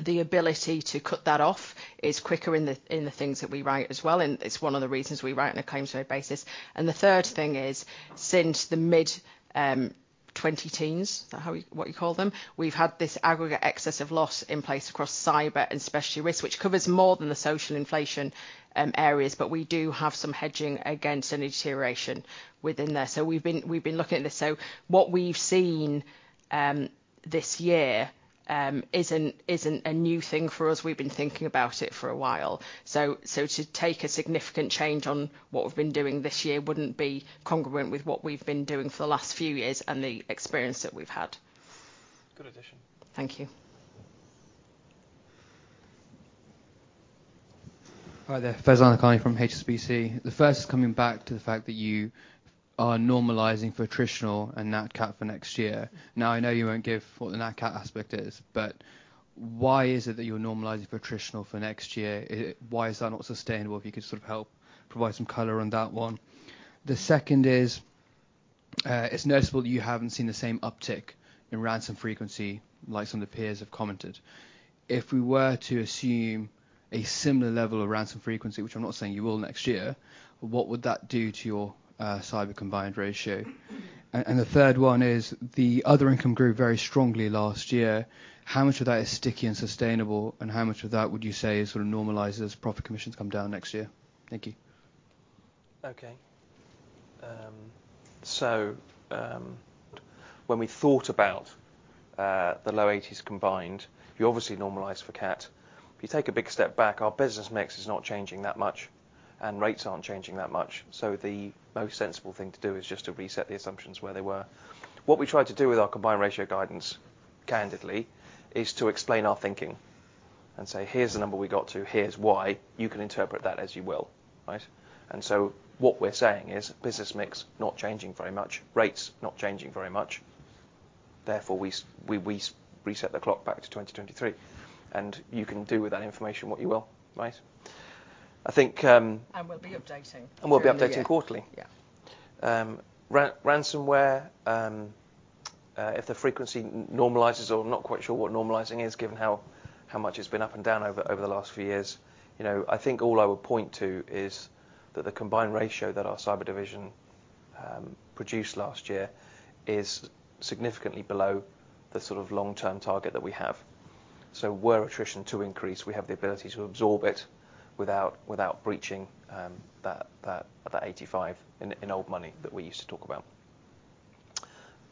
the ability to cut that off is quicker in the things that we write as well, and it's one of the reasons we write on a claims-made basis. And the third thing is, since the mid-2010s, is that how you what you call them? We've had this aggregate excess of loss in place across cyber and Specialty Risk, which covers more than the social inflation areas, but we do have some hedging against any deterioration within there. So we've been looking at this. So what we've seen this year isn't a new thing for us. We've been thinking about it for a while. So to take a significant change on what we've been doing this year wouldn't be congruent with what we've been doing for the last few years and the experience that we've had. Good addition. Thank you. Hi there, Faizan Lakhani from HSBC. The first is coming back to the fact that you are normalizing for attritional and nat cat for next year. Now, I know you won't give what the nat cat aspect is, but why is it that you're normalizing for attritional for next year? Why is that not sustainable? If you could sort of help provide some color on that one. The second is, it's noticeable you haven't seen the same uptick in ransom frequency, like some of the peers have commented. If we were to assume a similar level of ransom frequency, which I'm not saying you will next year, what would that do to your cyber combined ratio? And the third one is, the other income grew very strongly last year. How much of that is sticky and sustainable, and how much of that would you say is sort of normalized as profit commissions come down next year? Thank you. Okay. So, when we thought about the low 80s combined, you obviously normalize for cat. If you take a big step back, our business mix is not changing that much, and rates aren't changing that much, so the most sensible thing to do is just to reset the assumptions where they were. What we tried to do with our combined ratio guidance, candidly, is to explain our thinking and say, "Here's the number we got to. Here's why. You can interpret that as you will." Right? And so what we're saying is business mix not changing very much, rates not changing very much, therefore, we reset the clock back to 2023, and you can do with that information what you will, right? I think, We'll be updating. We'll be updating quarterly. Yeah. Ransomware, if the frequency normalizes, or not quite sure what normalizing is, given how much it's been up and down over the last few years, you know, I think all I would point to is that the Combined Ratio that our Cyber division produced last year is significantly below the sort of long-term target that we have. So were attrition to increase, we have the ability to absorb it without breaching that 85 in old money that we used to talk about.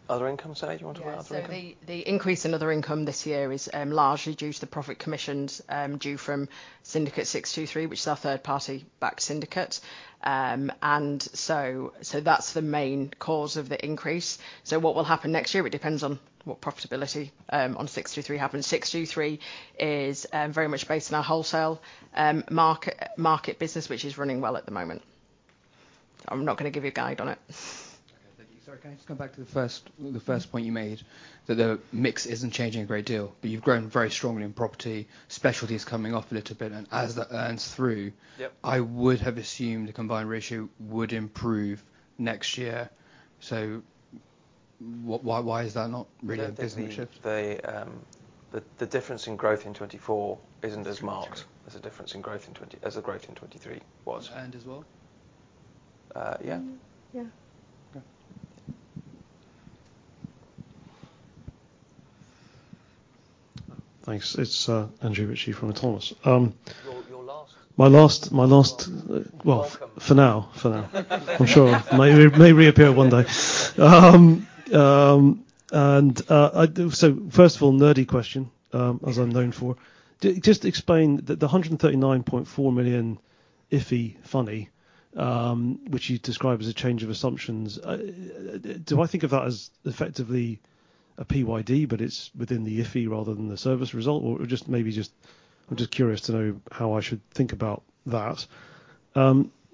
Other income, Sally, do you want to talk about? Yeah. So the increase in other income this year is largely due to the profit commissions due from Syndicate 623, which is our third-party backed syndicate. And so that's the main cause of the increase. So what will happen next year, it depends on what profitability on 623 happens. 623 is very much based on our wholesale market business, which is running well at the moment. I'm not gonna give you a guide on it. Okay, thank you. Sorry, can I just come back to the first point you made, that the mix isn't changing a great deal, but you've grown very strongly in property. Specialty is coming off a little bit, and as that earns through- Yep I would have assumed the combined ratio would improve next year. So what-... Why, why is that not really a business shift? The difference in growth in 2024 isn't as marked as the growth in 2023 was. And as well? Uh, yeah. Yeah. Yeah. Thanks. It's Andrew Ritchie from Autonomous. Your last- My last- Welcome. Well, for now, for now. I'm sure may reappear one day. So first of all, nerdy question, as I'm known for. Just explain the $139.4 million IFE, which you describe as a change of assumptions. Do I think of that as effectively a PYD, but it's within the IFE rather than the service result? Or maybe just, I'm just curious to know how I should think about that.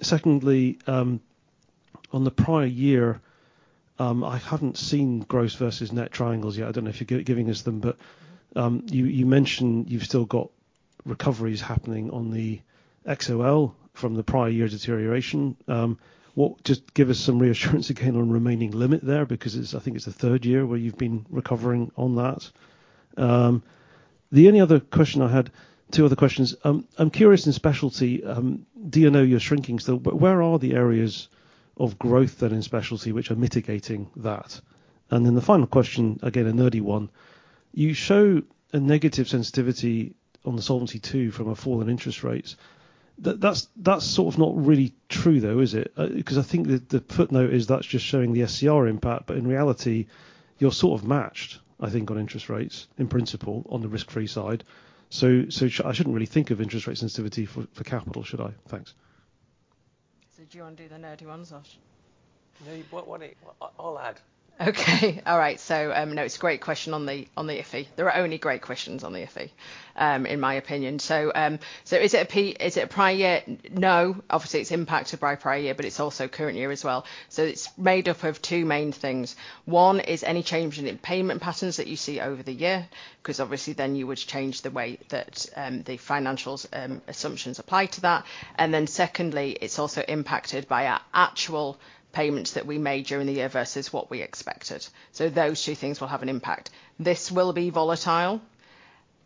Secondly, on the prior year, I hadn't seen gross versus net triangles yet. I don't know if you're giving us them, but you mentioned you've still got recoveries happening on the XOL from the prior year deterioration. What... Just give us some reassurance again on remaining limit there, because it's, I think it's the third year where you've been recovering on that. The only other question I had, two other questions. I'm curious in specialty D&O, you're shrinking still, but where are the areas of growth that in specialty which are mitigating that? And then the final question, again, a nerdy one: You show a negative sensitivity on the Solvency II from a fall in interest rates. That, that's, that's sort of not really true, though, is it? Because I think the, the footnote is that's just showing the SCR impact, but in reality, you're sort of matched, I think, on interest rates, in principle, on the risk-free side. So, I shouldn't really think of interest rate sensitivity for, for capital, should I? Thanks. Do you want to do the nerdy ones, Cox? No, what I... I'll add. Okay. All right. So, no, it's a great question on the, on the IFE. There are only great questions on the IFE, in my opinion. So, so is it a prior year? No. Obviously, it's impacted by prior year, but it's also current year as well. So it's made up of two main things. One, is any change in the payment patterns that you see over the year, 'cause obviously then you would change the way that, the financials, assumptions apply to that. And then secondly, it's also impacted by our actual payments that we made during the year versus what we expected. So those two things will have an impact. This will be volatile,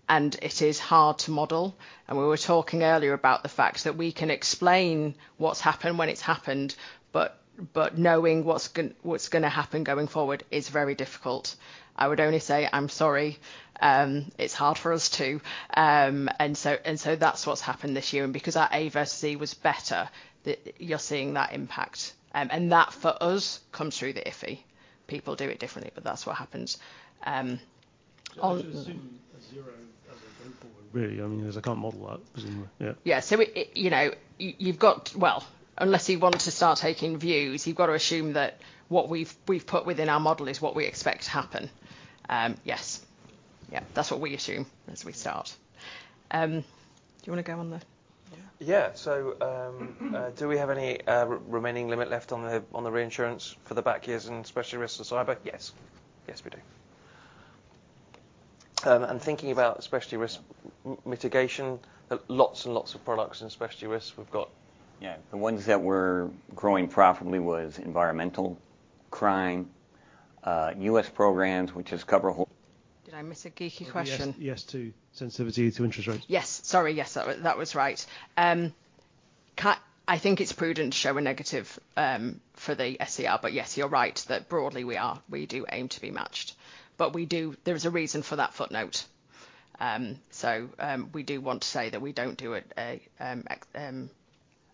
and it is hard to model, and we were talking earlier about the fact that we can explain what's happened when it's happened, but knowing what's gonna happen going forward is very difficult. I would only say I'm sorry, it's hard for us, too. And so that's what's happened this year, and because our A versus E was better, you're seeing that impact. And that, for us, comes through the IFE. People do it differently, but that's what happens. On- I should assume a zero as a group, really. I mean, there's, I can't model that, presumably. Yeah. Yeah. So it, you know, you've got... Well, unless you want to start taking views, you've got to assume that what we've put within our model is what we expect to happen. Yes. Yeah, that's what we assume as we start. Do you want to go on the- Yeah. So, do we have any remaining limit left on the reinsurance for the back years and especially risks of cyber? Yes. Yes, we do. And thinking about Specialty Risk Mitigation, lots and lots of products in Specialty Risks we've got. Yeah. The ones that were growing profitably was environmental, crime, U.S. Programs, which is cover hold- Did I miss a geeky question? Yes, yes, to sensitivity to interest rates. Yes. Sorry, yes, that, that was right. I think it's prudent to show a negative for the SCR, but yes, you're right, that broadly, we are, we do aim to be matched. But we do. There is a reason for that footnote. So, we do want to say that we don't do an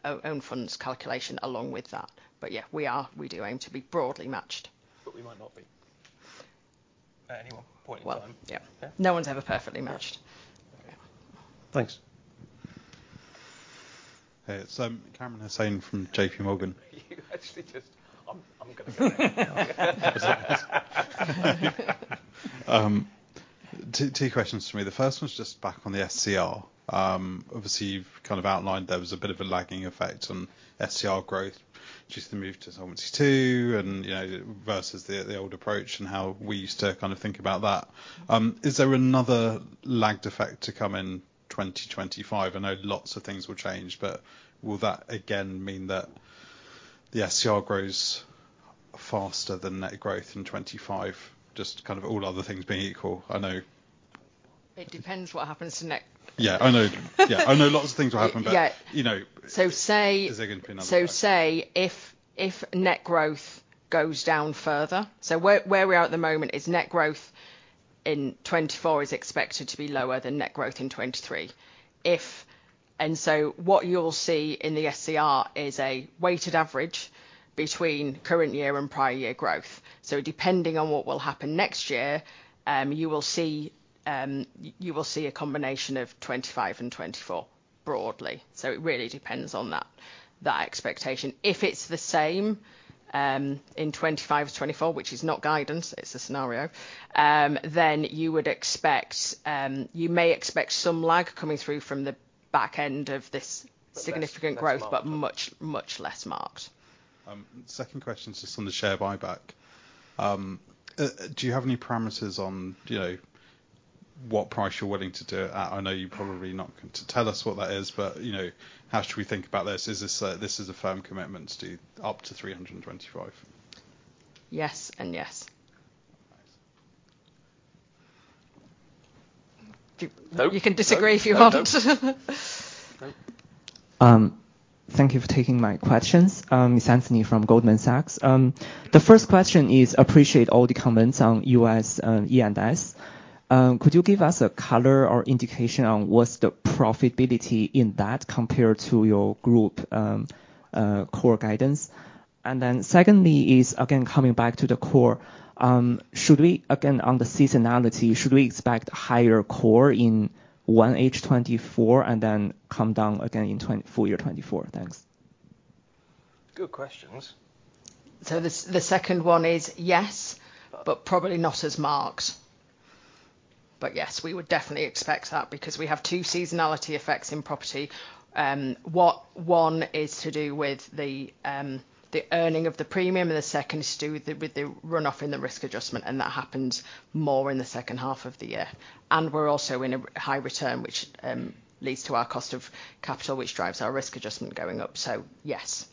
own funds calculation along with that. But yeah, we are, we do aim to be broadly matched. But we might not be at any one point in time. Well, yeah. Yeah. No one's ever perfectly matched. Yeah. Yeah. Thanks. Hey, so Kamran Hossain from J.P. Morgan. You actually just... I'm gonna say. Two questions for me. The first one is just back on the SCR. Obviously, you've kind of outlined there was a bit of a lagging effect on SCR growth, which is the move to Solvency II, and, you know, versus the old approach and how we used to kind of think about that. Is there another lagged effect to come in 2025? I know lots of things will change, but will that again mean that the SCR grows faster than net growth in 2025? Just kind of all other things being equal, I know- It depends what happens to net. Yeah, I know. Yeah, I know lots of things will happen, but- Yeah... you know. So say- Is there gonna be another- So if net growth goes down further, where we are at the moment is net growth in 2024 is expected to be lower than net growth in 2023. So what you'll see in the SCR is a weighted average between current year and prior year growth. So depending on what will happen next year, you will see a combination of 2025 and 2024, broadly. So it really depends on that expectation. If it's the same in 2025 to 2024, which is not guidance, it's a scenario, then you would expect, you may expect some lag coming through from the back end of this significant growth- Less marked. But much, much less marked. Second question, just on the share buyback. Do you have any parameters on, you know- ... what price you're willing to do it at? I know you're probably not going to tell us what that is, but, you know, how should we think about this? Is this a firm commitment to do up to $325? Yes and yes. Nice. You can disagree if you want. Nope. Thank you for taking my questions. It's Anthony from Goldman Sachs. The first question is, appreciate all the comments on U.S. E&S. Could you give us a color or indication on what's the profitability in that compared to your group core guidance? And then secondly is, again coming back to the core, should we... Again, on the seasonality, should we expect higher core in 1H 2024, and then come down again in 2024 full year 2024? Thanks. Good questions. So the second one is, yes, but probably not as marked. But yes, we would definitely expect that, because we have two seasonality effects in property. What one is to do with the earning of the premium, and the second is to do with the runoff in the risk adjustment, and that happens more in the second half of the year. And we're also in a high return, which leads to our cost of capital, which drives our risk adjustment going up. So, yes.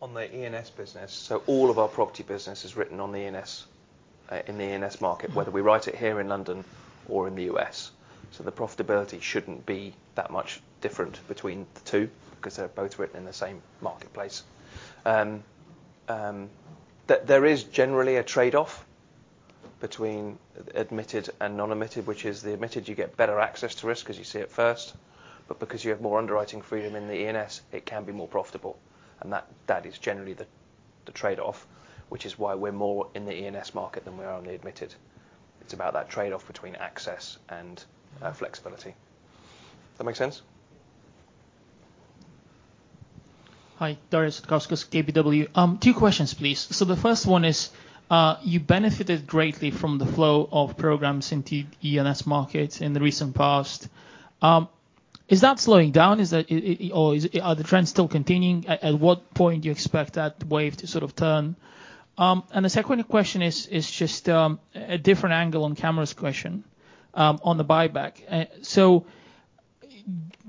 On the E&S business, so all of our property business is written on the E&S in the E&S market, whether we write it here in London or in the U.S.. So the profitability shouldn't be that much different between the two, 'cause they're both written in the same marketplace. There is generally a trade-off between admitted and non-admitted, which is the admitted, you get better access to risk, because you see it first. But because you have more underwriting freedom in the E&S, it can be more profitable, and that is generally the trade-off, which is why we're more in the E&S market than we are on the admitted. It's about that trade-off between access and flexibility. Does that make sense? Hi, Darius Satkauskas, KBW. Two questions, please. So the first one is, you benefited greatly from the flow of programs into E&S markets in the recent past. Is that slowing down? Or are the trends still continuing? At what point do you expect that wave to sort of turn? And the second question is just a different angle on Cameron's question on the buyback. So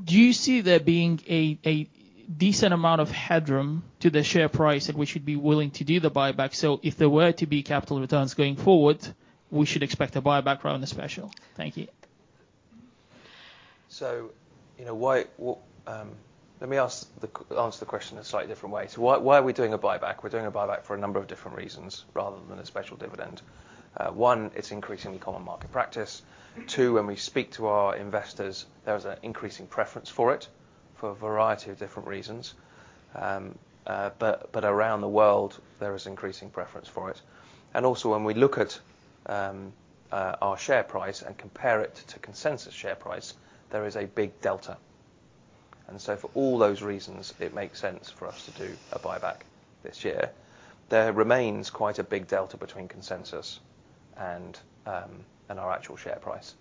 do you see there being a decent amount of headroom to the share price at which you'd be willing to do the buyback? So if there were to be capital returns going forward, we should expect a buyback rather than a special. Thank you. So, you know, let me ask the question a slightly different way. So why, why are we doing a buyback? We're doing a buyback for a number of different reasons, rather than a special dividend. One, it's increasingly common market practice. Two, when we speak to our investors, there's an increasing preference for it for a variety of different reasons. But around the world, there is increasing preference for it. And also, when we look at our share price and compare it to consensus share price, there is a big delta. And so for all those reasons, it makes sense for us to do a buyback this year. There remains quite a big delta between consensus and our actual share price.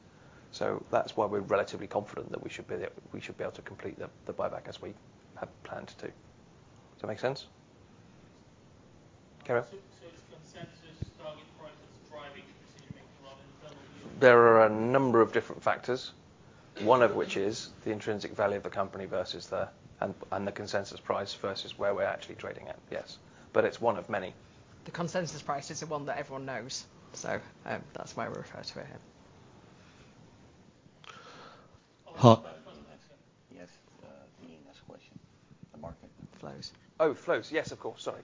So that's why we're relatively confident that we should be, we should be able to complete the, the buyback as we have planned to do. Does that make sense? Carol? So, it's consensus target price that's driving the continuing growth internally? There are a number of different factors, one of which is the intrinsic value of the company versus the... and, and the consensus price versus where we're actually trading at. Yes, but it's one of many. The consensus price is the one that everyone knows, so, that's why we refer to it here. Uh- Yes, the next question. The market flows. Oh, flows. Yes, of course. Sorry.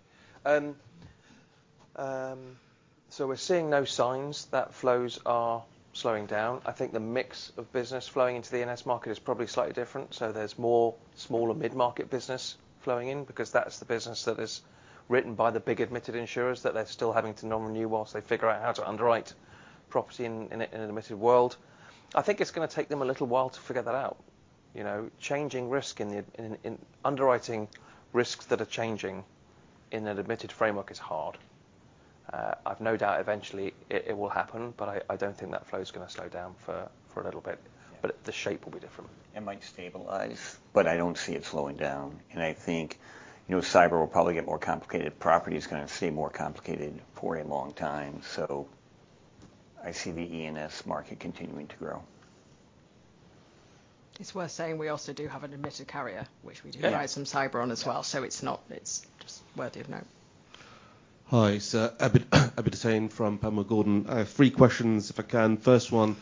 So we're seeing no signs that flows are slowing down. I think the mix of business flowing into the E&S market is probably slightly different. So there's more smaller mid-market business flowing in, because that's the business that is written by the big admitted insurers, that they're still having to non-renew whilst they figure out how to underwrite property in an admitted world. I think it's gonna take them a little while to figure that out. You know, changing risk in the underwriting risks that are changing in an admitted framework is hard. I've no doubt eventually it will happen, but I don't think that flow is gonna slow down for a little bit- Yeah. but the shape will be different. It might stabilize, but I don't see it slowing down. I think, you know, cyber will probably get more complicated. Property is gonna stay more complicated for a long time, so I see the E&S market continuing to grow. It's worth saying we also do have an admitted carrier, which we do- Yeah... write some cyber on as well. So it's not... It's just worthy of note. Hi, sir. Abid Hussain from Panmure Gordon. I have three questions, if I can. First one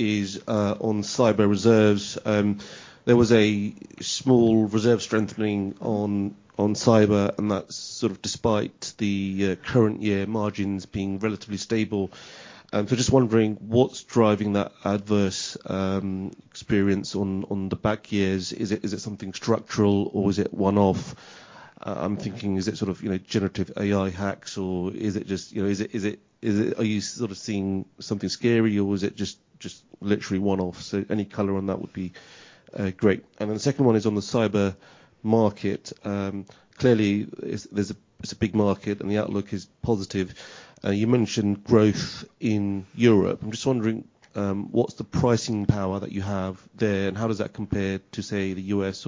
is on cyber reserves. There was a small reserve strengthening on cyber, and that's sort of despite the current year margins being relatively stable. So just wondering what's driving that adverse experience on the back years. Is it something structural, or is it one-off? I'm thinking, is it sort of, you know, generative AI hacks, or is it just, you know, are you sort of seeing something scary, or is it just literally one-off? So any color on that would be great. And then the second one is on the cyber market. Clearly, it's a big market, and the outlook is positive. You mentioned growth in Europe. I'm just wondering, what's the pricing power that you have there, and how does that compare to, say, the U.S.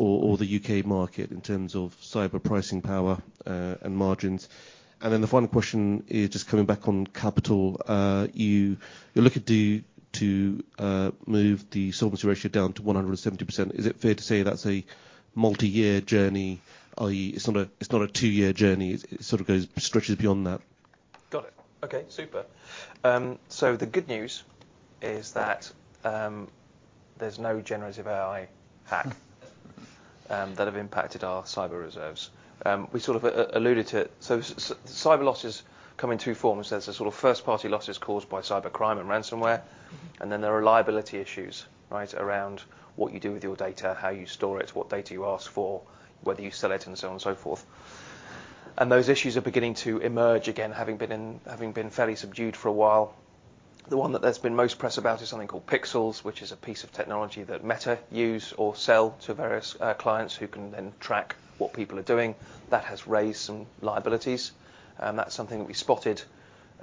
or the U.K. market in terms of cyber pricing power, and margins? And then the final question is just coming back on capital. You're looking to move the solvency ratio down to 170%, is it fair to say that's a multi-year journey? It's not a two-year journey, it stretches beyond that. Got it. Okay, super. So the good news is that there's no generative AI hack that have impacted our cyber reserves. We sort of alluded to it. So cyber losses come in two forms. There's the sort of first-party losses caused by cybercrime and ransomware, and then there are liability issues, right? Around what you do with your data, how you store it, what data you ask for, whether you sell it, and so on and so forth. And those issues are beginning to emerge again, having been fairly subdued for a while. The one that there's been most press about is something called Pixels, which is a piece of technology that Meta use or sell to various clients who can then track what people are doing. That has raised some liabilities, and that's something that we spotted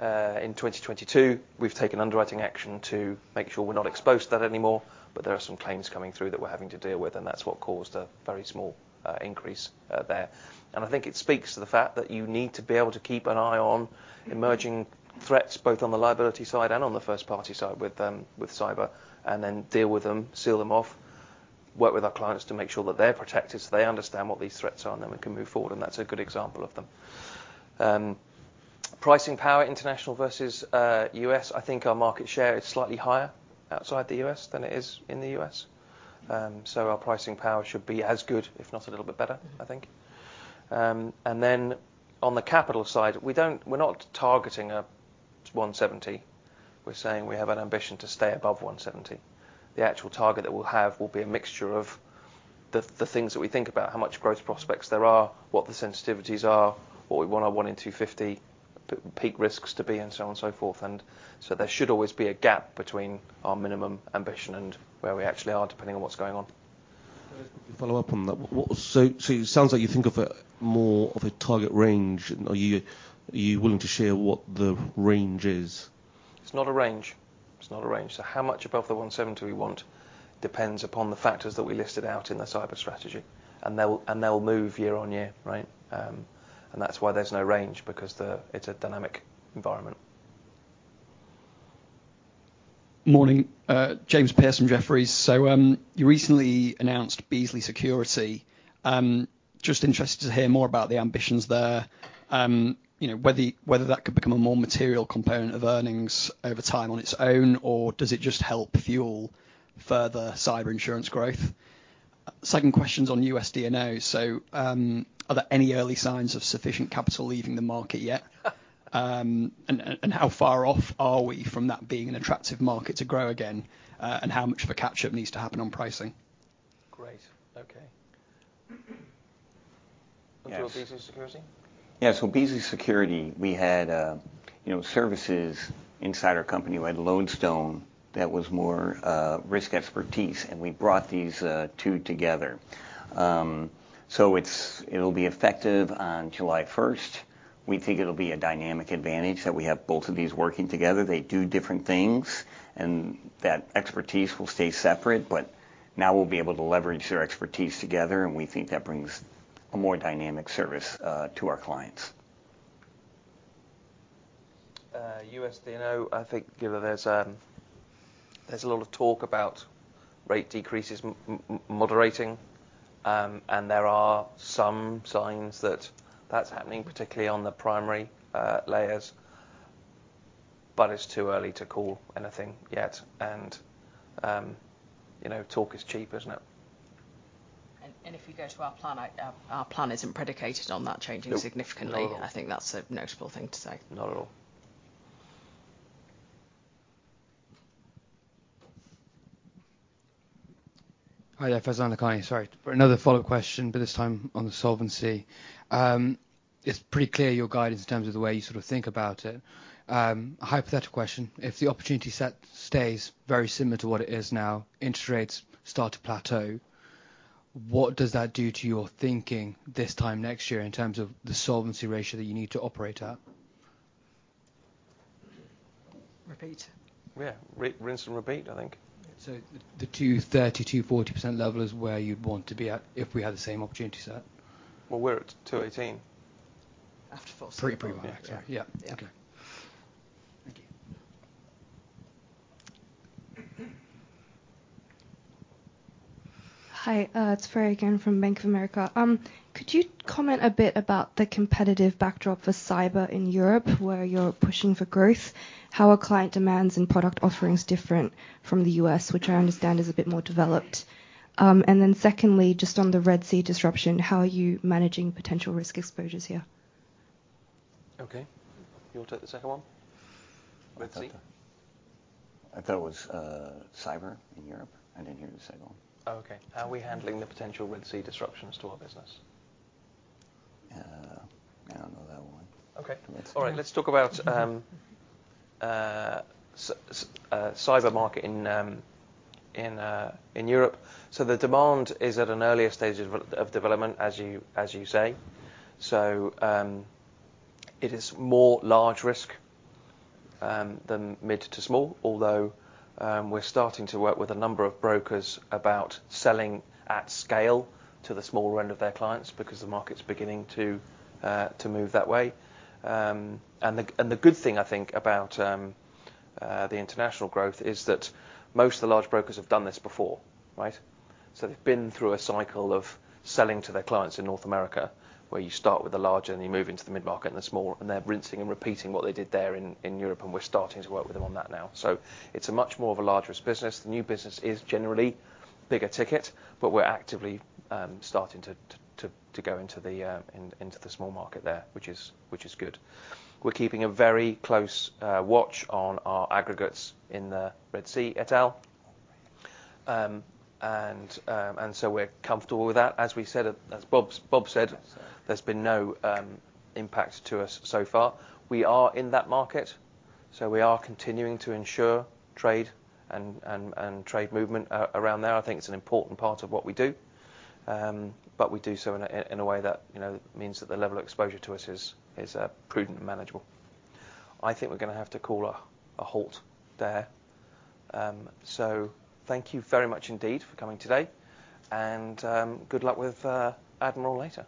in 2022. We've taken underwriting action to make sure we're not exposed to that anymore, but there are some claims coming through that we're having to deal with, and that's what caused a very small increase there. And I think it speaks to the fact that you need to be able to keep an eye on emerging threats, both on the liability side and on the first party side with, with cyber, and then deal with them, seal them off. Work with our clients to make sure that they're protected, so they understand what these threats are, and then we can move forward, and that's a good example of them. Pricing power, international versus, U.S., I think our market share is slightly higher outside the U.S. than it is in the U.S.. So our pricing power should be as good, if not a little bit better, I think. And then on the capital side, we're not targeting 170. We're saying we have an ambition to stay above 170. The actual target that we'll have will be a mixture of the things that we think about, how much growth prospects there are, what the sensitivities are, what we want our 1 in 250 peak risks to be, and so on and so forth. And so there should always be a gap between our minimum ambition and where we actually are, depending on what's going on. Follow up on that. So it sounds like you think of a more of a target range. Are you willing to share what the range is? It's not a range. It's not a range. So how much above the 170 we want depends upon the factors that we listed out in the cyber strategy, and they'll move year on year, right? And that's why there's no range, because it's a dynamic environment. Morning. James Pearse from Jefferies. So, you recently announced Beazley Security. Just interested to hear more about the ambitions there. You know, whether that could become a more material component of earnings over time on its own, or does it just help fuel further cyber insurance growth? Second question's on D&O. So, are there any early signs of sufficient capital leaving the market yet? And how far off are we from that being an attractive market to grow again, and how much of a catch-up needs to happen on pricing? Great. Okay. Yes. You want Beazley Security? Yeah, so Beazley Security, we had, you know, services inside our company. We had Lodestone that was more risk expertise, and we brought these two together. So it's. It'll be effective on July first. We think it'll be a dynamic advantage that we have both of these working together. They do different things, and that expertise will stay separate, but now we'll be able to leverage their expertise together, and we think that brings a more dynamic service to our clients. U.S. D&O, I think, given there's a lot of talk about rate decreases moderating, and there are some signs that that's happening, particularly on the primary layers, but it's too early to call anything yet. And, you know, talk is cheap, isn't it? If you go to our plan, our plan isn't predicated on that changing significantly. Nope. Not at all. I think that's a notable thing to say. Not at all. Hi there, Faizan Lakhani. Sorry for another follow-up question, but this time on the solvency. It's pretty clear your guidance in terms of the way you sort of think about it. A hypothetical question, if the opportunity set stays very similar to what it is now, interest rates start to plateau, what does that do to your thinking this time next year in terms of the solvency ratio that you need to operate at? Repeat. Yeah, rinse and repeat, I think. The 2.30%-2.40% level is where you'd want to be at, if we had the same opportunity set? Well, we're at 218. I have to fall- Pretty, pretty much. Yeah. Yeah. Okay. Thank you. Hi, it's Freya again from Bank of America. Could you comment a bit about the competitive backdrop for cyber in Europe, where you're pushing for growth? How are client demands and product offerings different from the U.S., which I understand is a bit more developed? And then secondly, just on the Red Sea disruption, how are you managing potential risk exposures here? Okay. You want to take the second one? Red Sea. I thought it was cyber in Europe. I didn't hear the second one. Oh, okay. How are we handling the potential Red Sea disruptions to our business? I don't know that one. Okay. It's- All right, let's talk about cyber market in Europe. So the demand is at an earlier stage of development, as you say. So it is more large risk than mid to small. Although we're starting to work with a number of brokers about selling at scale to the small round of their clients, because the market's beginning to move that way. And the good thing I think about the international growth is that most of the large brokers have done this before, right? So they've been through a cycle of selling to their clients in North America, where you start with the larger and you move into the mid-market and the small, and they're rinsing and repeating what they did there in Europe, and we're starting to work with them on that now. So it's a much more of a large risk business. The new business is generally bigger ticket, but we're actively starting to go into the small market there, which is good. We're keeping a very close watch on our aggregates in the Red Sea, et al. And so we're comfortable with that. As we said, as Bob said, there's been no impact to us so far. We are in that market, so we are continuing to ensure trade and trade movement around there. I think it's an important part of what we do. But we do so in a way that, you know, means that the level of exposure to us is prudent and manageable. I think we're gonna have to call a halt there. So thank you very much indeed for coming today, and good luck with Admiral later.